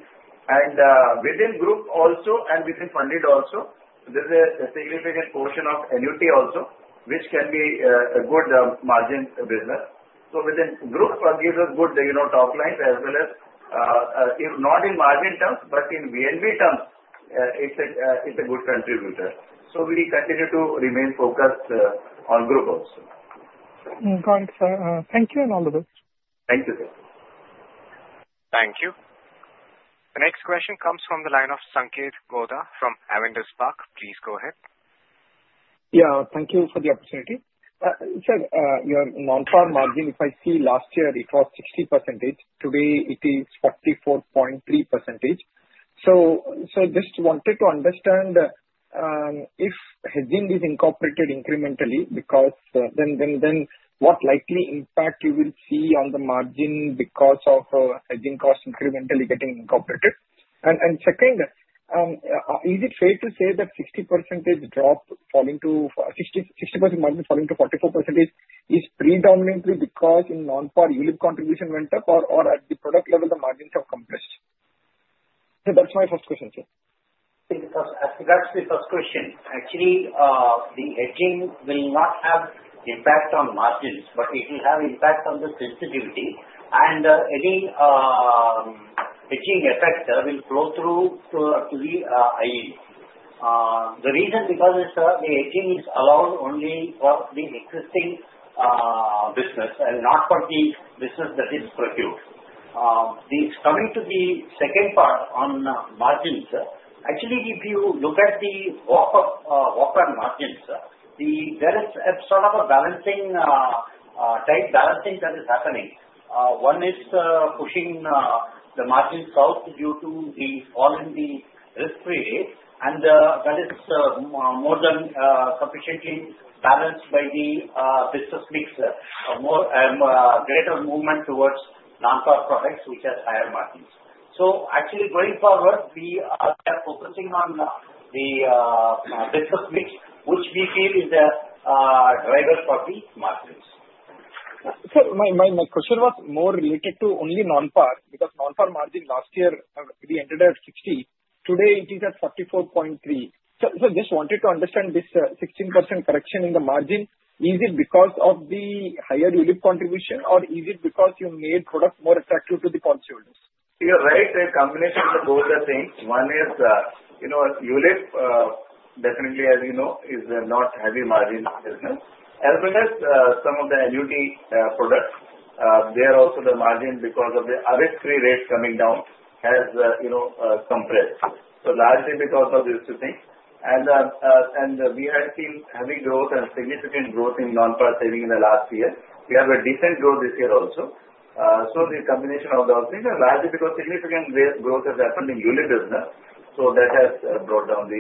And within group also and within funded also, there's a significant portion of annuity also, which can be a good margin business. So within group, it gives us good top lines as well as not in margin terms, but in VNB terms, it's a good contributor. So we continue to remain focused on group also. Got it, sir. Thank you and all the best. Thank you, sir. Thank you. The next question comes from the line of Sanketh Godha from Avendus Spark. Please go ahead. Yeah, thank you for the opportunity. Sir, your non-par margin, if I see last year, it was 60%. Today, it is 44.3%. So just wanted to understand if hedging is incorporated incrementally, then what likely impact you will see on the margin because of hedging costs incrementally getting incorporated? And second, is it fair to say that 60% drop falling to 60% margin falling to 44% is predominantly because in non-par, ULIP contribution went up, or at the product level, the margins have compressed? So that's my first question, sir. That's the first question. Actually, the hedging will not have impact on margins, but it will have impact on the sensitivity. And any hedging effect will flow through to the EV. The reason because the hedging is allowed only for the existing business and not for the business that is procured. Coming to the second part on margins, actually, if you look at the walk on margins, there is sort of a balancing type balancing that is happening. One is pushing the margin south due to the fall in the risk-free rate, and that is more than sufficiently balanced by the business mix, greater movement towards non-par products which have higher margins. So actually, going forward, we are focusing on the business mix, which we feel is a driver for the margins. Sir, my question was more related to only non-par because non-par margin last year, we entered at 60. Today, it is at 44.3. So just wanted to understand this 16% correction in the margin. Is it because of the higher ULIP contribution, or is it because you made product more attractive to the policyholders? You're right. The combination of the both are same. One is ULIP, definitely, as you know, is not a heavy margin business. As well as some of the non-par products, there also the margin because of the risk-free rate coming down has compressed. So largely because of these two things. And we had seen heavy growth and significant growth in non-par savings in the last year. We have a decent growth this year also. So the combination of those things is largely because significant growth has happened in ULIP business. So that has brought down the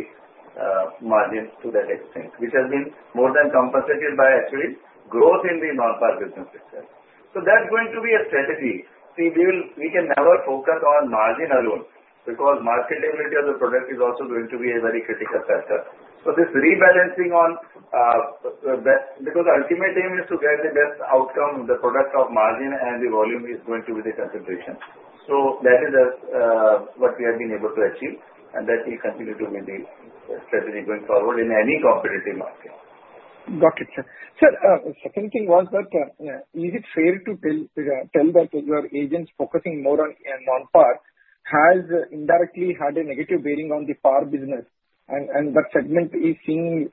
margin to that extent, which has been more than compensated by actual growth in the non-par business itself. So that's going to be a strategy. See, we can never focus on margin alone because marketability of the product is also going to be a very critical factor. So this rebalancing is because the ultimate aim is to get the best outcome. The product of margin and the volume is going to be the concentration. So that is what we have been able to achieve, and that will continue to be the strategy going forward in any competitive market. Got it, sir. Sir, the second thing was that is it fair to tell that your agents focusing more on non-par has indirectly had a negative bearing on the par business, and that segment is seeing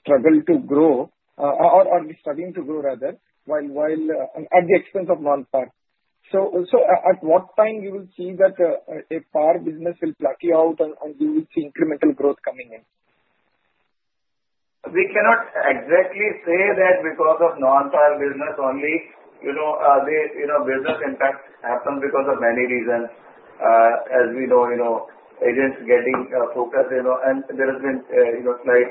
struggle to grow, or is struggling to grow rather, at the expense of non-par? So at what time you will see that a par business will pick up, and you will see incremental growth coming in? We cannot exactly say that because of non-par business only. The business impact happens because of many reasons. As we know, agents getting focused, and there has been a slight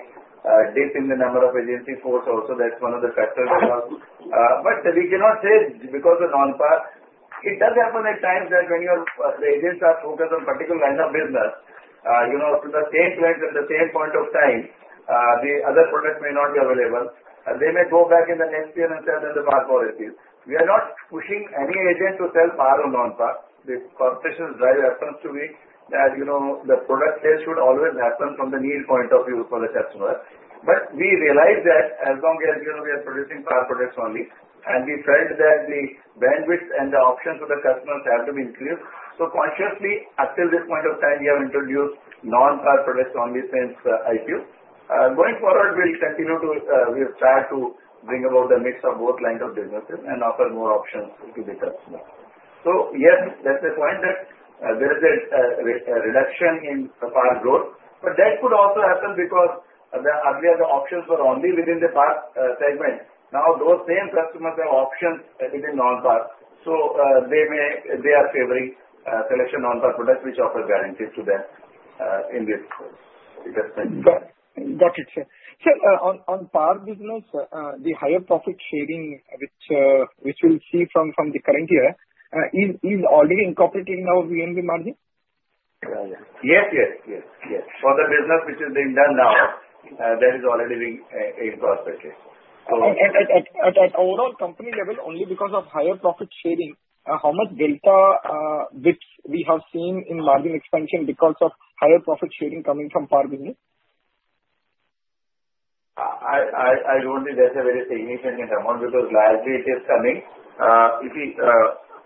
dip in the number of agency force also. That's one of the factors as well. But we cannot say because of non-par. It does happen at times that when the agents are focused on a particular line of business to the same place at the same point of time, the other product may not be available. They may go back in the next year and sell them the par policies. We are not pushing any agent to sell par or non-par. The company's drive happens to be that the product sales should always happen from the need point of view for the customer. But we realize that as long as we are producing par products only, and we felt that the bandwidth and the options for the customers have to be increased. So consciously, up till this point of time, we have introduced non-par products only since IPO. Going forward, we'll continue to try to bring about the mix of both lines of businesses and offer more options to the customers. So yes, that's the point that there is a reduction in par growth. But that could also happen because earlier, the options were only within the par segment. Now, those same customers have options within non-par. So they are favoring selection of non-par products, which offers guarantees to them in this case. Got it, sir. Sir, on par business, the higher profit sharing which we'll see from the current year is already incorporating our VNB margin? Yes, yes, yes, yes. For the business which is being done now, that is already being incorporated. At overall company level, only because of higher profit sharing, how much delta in basis points we have seen in margin expansion because of higher profit sharing coming from par business? I don't think that's a very significant amount because largely it is coming.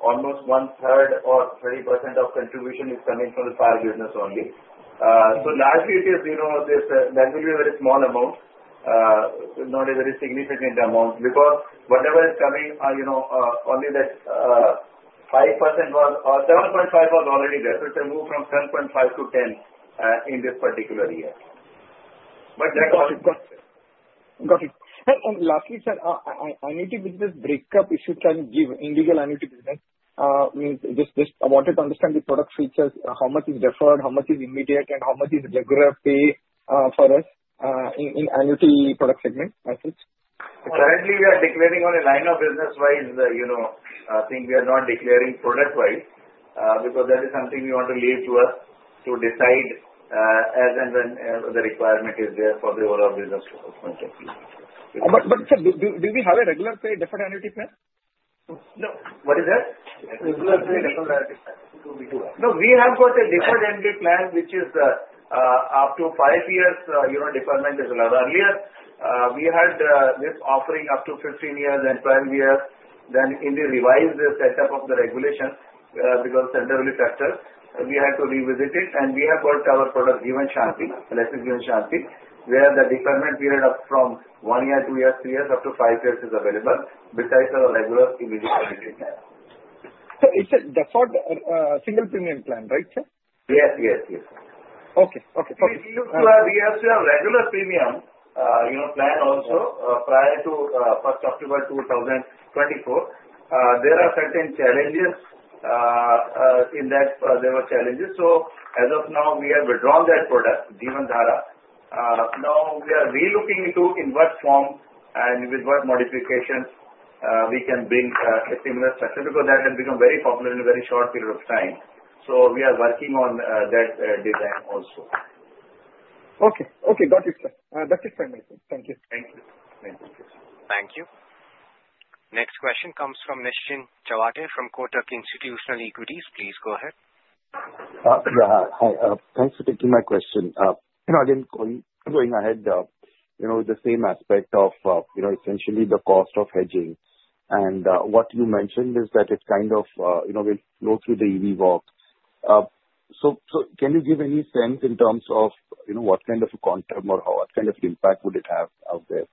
Almost one-third or 30% of contribution is coming from the par business only. So largely, that will be a very small amount, not a very significant amount because whatever is coming, only that 5% was or 7.5% was already there. So it's a move from 7.5%-10% in this particular year. But that's all. Got it. Got it. And lastly, sir, annuity business break-up, if you can give individual annuity business. Just wanted to understand the product features, how much is deferred, how much is immediate, and how much is regular pay for us in annuity product segment, I think. Currently, we are declaring on a line of business-wise thing. We are not declaring product-wise because that is something we want to leave to us to decide as and when the requirement is there for the overall business point of view. But sir, do we have a regular pay deferred annuity plan? No. What is that? Regular pay deferred annuity plan. We do have. No, we have got a deferred annuity plan, which is up to five years deferment is allowed. Earlier, we had this offering up to 15 years and 12 years. Then in the revised setup of the regulation because of the solvency factor, we had to revisit it. We have got our product, Jeevan Shanti, LIC's Jeevan Shanti, where the deferment period from one year, two years, three years up to five years is available besides our regular immediate annuity plan. So is it deferred single premium plan, right, sir? Yes, yes, yes. Okay. Okay. We used to have regular premium plan also prior to 1st October 2024. There are certain challenges in that there were challenges. So as of now, we have withdrawn that product, Jeevan Dhara. Now, we are relooking into what form and with what modifications we can bring a similar structure because that has become very popular in a very short period of time. So we are working on that design also. Okay. Okay. Got it, sir. That's it from my side. Thank you. Thank you. Thank you. Thank you. Next question comes from Nischint Chawathe from Kotak Institutional Equities. Please go ahead. Yeah. Hi. Thanks for taking my question. Again, going ahead with the same aspect of essentially the cost of hedging. And what you mentioned is that it kind of will flow through the EV walk. So can you give any sense in terms of what kind of a quantum or what kind of impact would it have out there?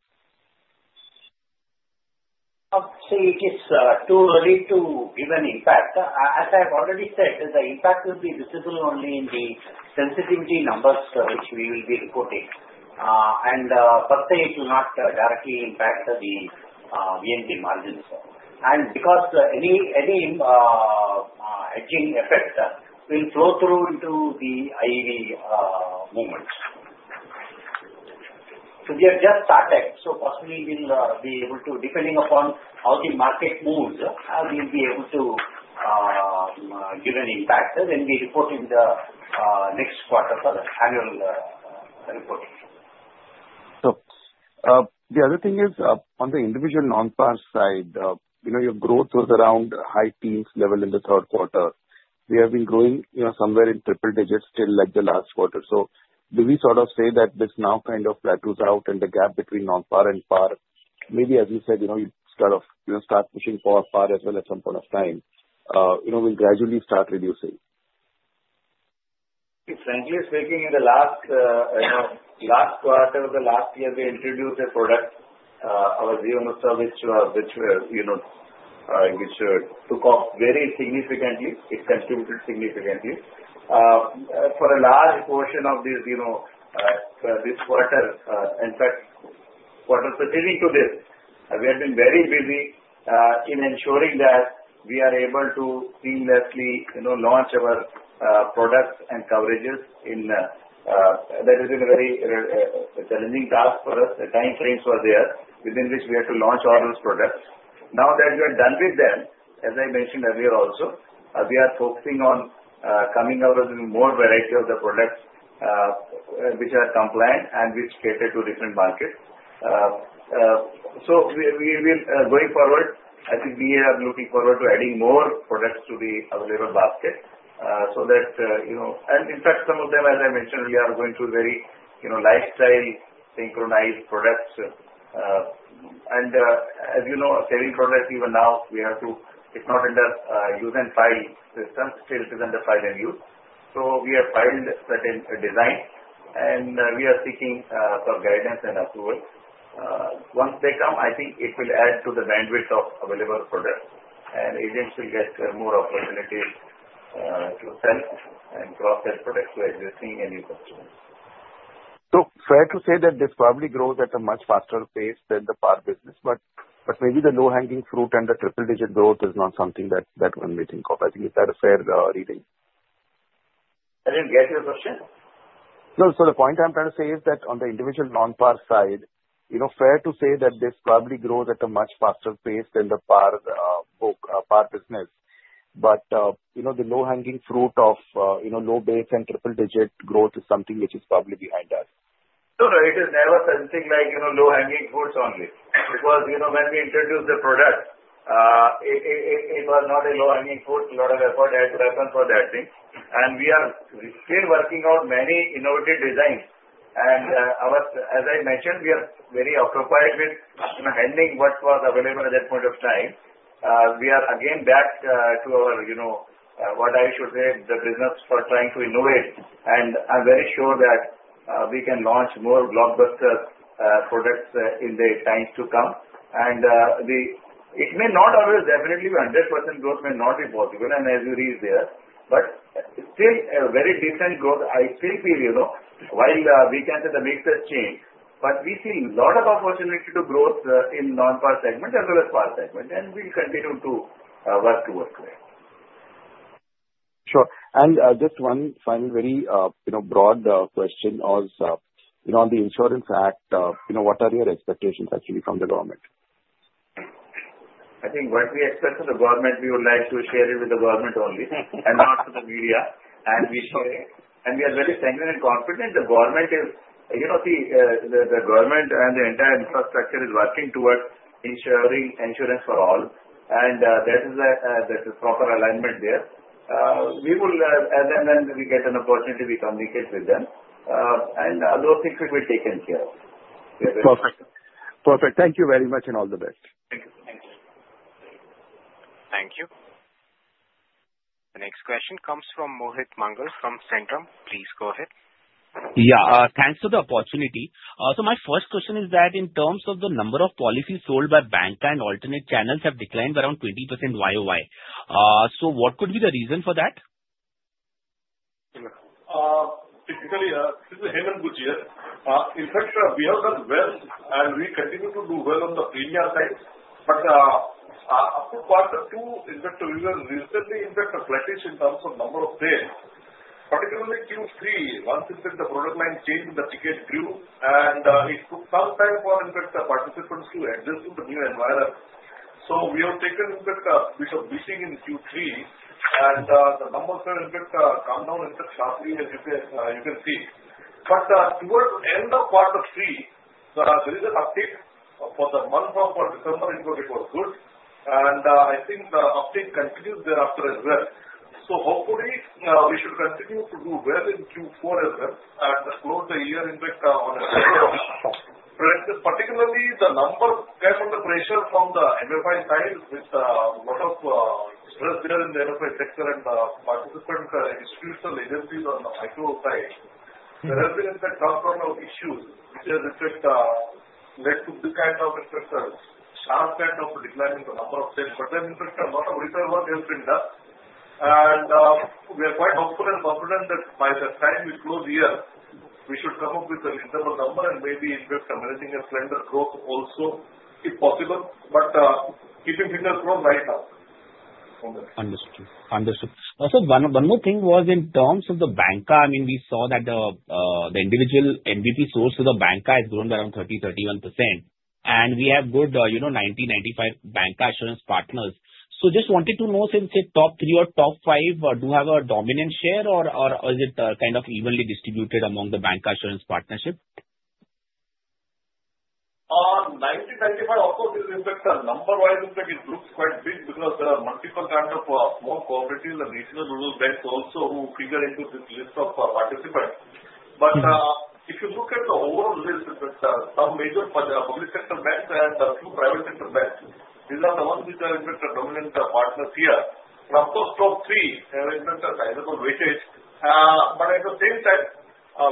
I'll say it's too early to give an impact. As I've already said, the impact will be visible only in the sensitivity numbers which we will be reporting. And per se, it will not directly impact the VNB margins. And because any hedging effect will flow through into the EV movement. So we have just started. So possibly, we'll be able to, depending upon how the market moves, we'll be able to give an impact. Then we report in the next quarter for the annual reporting. So the other thing is on the individual non-par side, your growth was around high teens level in the third quarter. We have been growing somewhere in triple digits still like the last quarter. So do we sort of say that this now kind of plateaus out and the gap between non-par and par, maybe as you said, you sort of start pushing for par as well at some point of time, will gradually start reducing? Frankly speaking, in the last quarter of the last year, we introduced a product, our Jeevan Utsav, which took off very significantly. It contributed significantly for a large portion of this quarter. In fact, quarter preceding to this, we had been very busy in ensuring that we are able to seamlessly launch our products and coverages. That has been a very challenging task for us. The time frames were there within which we had to launch all those products. Now that we are done with them, as I mentioned earlier also, we are focusing on coming out with more variety of the products which are compliant and which cater to different markets. So going forward, I think we are looking forward to adding more products to the available basket so that, and in fact, some of them, as I mentioned, we are going to very lifestyle synchronized products. And as you know, savings products, even now, we have to, if not under File and Use system, still it is under File and Use. So we have filed certain designs, and we are seeking for guidance and approval. Once they come, I think it will add to the bandwidth of available products, and agents will get more opportunities to sell and cross that product to existing and new customers. So, fair to say that this probably grows at a much faster pace than the par business, but maybe the low-hanging fruit and the triple-digit growth is not something that one may think of. I think, is that a fair reading? I didn't get your question. No. So, the point I'm trying to say is that on the individual non-par side, fair to say that this probably grows at a much faster pace than the par business. But the low-hanging fruit of low base and triple-digit growth is something which is probably behind us. So it is never something like low-hanging fruits only. Because when we introduced the product, it was not a low-hanging fruit. A lot of effort had to happen for that thing. And we are still working out many innovative designs. And as I mentioned, we are very occupied with handling what was available at that point of time. We are again back to our, what I should say, the business for trying to innovate. And I'm very sure that we can launch more blockbuster products in the times to come. And it may not always definitely be 100% growth, may not be possible, and as you read there. But still a very decent growth. I still feel while we can see the mix has changed, but we see a lot of opportunity to growth in non-par segment as well as par segment. And we'll continue to work towards that. Sure. And just one final very broad question was on the Insurance Act. What are your expectations actually from the government? I think what we expect from the government, we would like to share it with the government only and not to the media. And we are very thankful and confident the government is, see, the government and the entire infrastructure is working towards ensuring insurance for all. And that is a proper alignment there. We will, as and when we get an opportunity, we communicate with them. And those things will be taken care of. Perfect. Perfect. Thank you very much and all the best. Thank you. Thank you. Thank you. The next question comes from Mohit Mangal from Centrum. Please go ahead. Yeah. Thanks for the opportunity. So my first question is that in terms of the number of policies sold by banks and alternate channels have declined around 20% Y-O-Y. So what could be the reason for that? This is a hidden good year.In fact, we have done well, and we continue to do well on the premium side, but up to Q2, we were recently impacted flattish in terms of number of sales, particularly Q3, once the product line changed in the ticket group. It took some time for the participants to adjust to the new environment, so we have taken a bit of a beating in Q3, and the numbers have come down sharply, as you can see. Towards the end of quarter three, there was an uptick for the month of December. It was good, and I think the uptick continues thereafter as well, so hopefully, we should continue to do well in Q4 as well and close the year, in fact, on a regular basis. Particularly, the number came under pressure from the MFI side, with a lot of stress there in the MFI sector and participant institutional agencies on the micro side. There has been, in fact, some sort of issues which has led to this kind of sharp kind of decline in the number of sales. But then, in fact, a lot of retail work has been done. We are quite hopeful and confident that by the time we close the year, we should come up with a reasonable number and maybe, in fact, managing a slender growth also, if possible. But keeping fingers crossed right now. Understood. Understood. One more thing was in terms of the bancassurance. I mean, we saw that the individual APE source to the bancassurance has grown by around 30%-31%. And we have good 90-95 bancassurance partners. So just wanted to know, since top three or top five do have a dominant share, or is it kind of evenly distributed among the bancassurance partnership? 90-95, of course, is in fact a number-wise, in fact, it looks quite big because there are multiple kinds of small cooperatives and regional rural banks also who figure into this list of participants. But if you look at the overall list, in fact, some major public sector banks and a few private sector banks, these are the ones which are, in fact, the dominant partners here. From those top three, in fact, sizable weightage. But at the same time,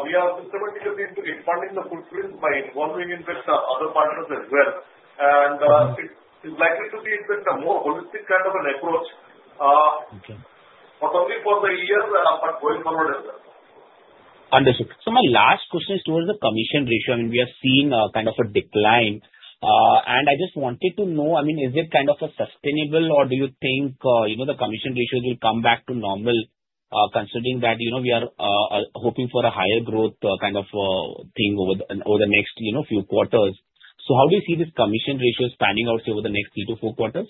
we are systematically responding to footprints by involving, in fact, other partners as well. And it is likely to be, in fact, a more holistic kind of an approach. But only for the year, but going forward as well. Understood. So my last question is towards the commission ratio. I mean, we have seen kind of a decline. And I just wanted to know, I mean, is it kind of a sustainable, or do you think the commission ratios will come back to normal considering that we are hoping for a higher growth kind of thing over the next few quarters? So how do you see this commission ratio spanning out over the next 3-4 quarters?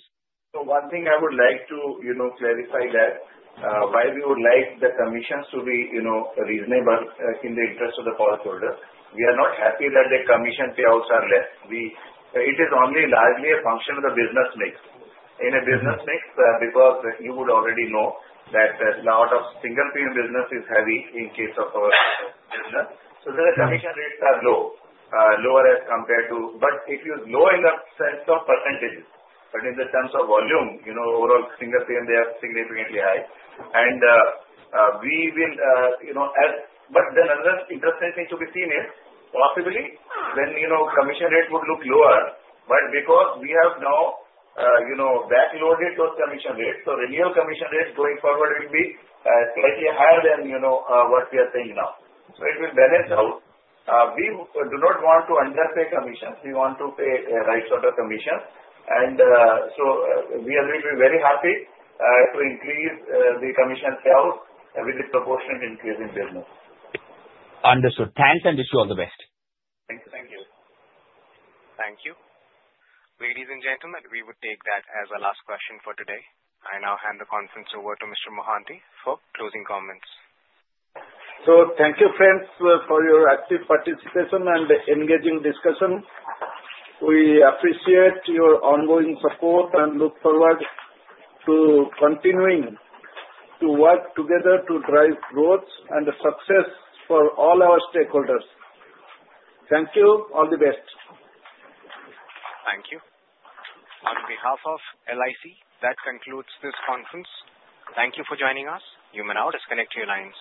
So one thing I would like to clarify that while we would like the commissions to be reasonable in the interest of the policyholder, we are not happy that the commission payouts are less. It is only largely a function of the business mix. In a business mix, because you would already know that a lot of single premium business is heavy in case of our business. So then, the commission rates are lower, lower as compared to, but it is low in the sense of percentages. But in terms of volume, overall single premium, they are significantly high. And we will, but then another interesting thing to be seen is possibly then commission rate would look lower, but because we have now backloaded those commission rates, so renewal commission rates going forward will be slightly higher than what we are paying now. So it will balance out. We do not want to underpay commissions. We want to pay a right sort of commission. And so we will be very happy to increase the commission payout with the proportion increase in business. Understood. Thanks, and wish you all the best. Thank you. Thank you. Thank you. Ladies and gentlemen, we would take that as our last question for today. I now hand the conference over to Mr. Mohanty for closing comments. So thank you, friends, for your active participation and engaging discussion. We appreciate your ongoing support and look forward to continuing to work together to drive growth and success for all our stakeholders. Thank you. All the best. Thank you. On behalf of LIC, that concludes this conference. Thank you for joining us. You may now disconnect your lines.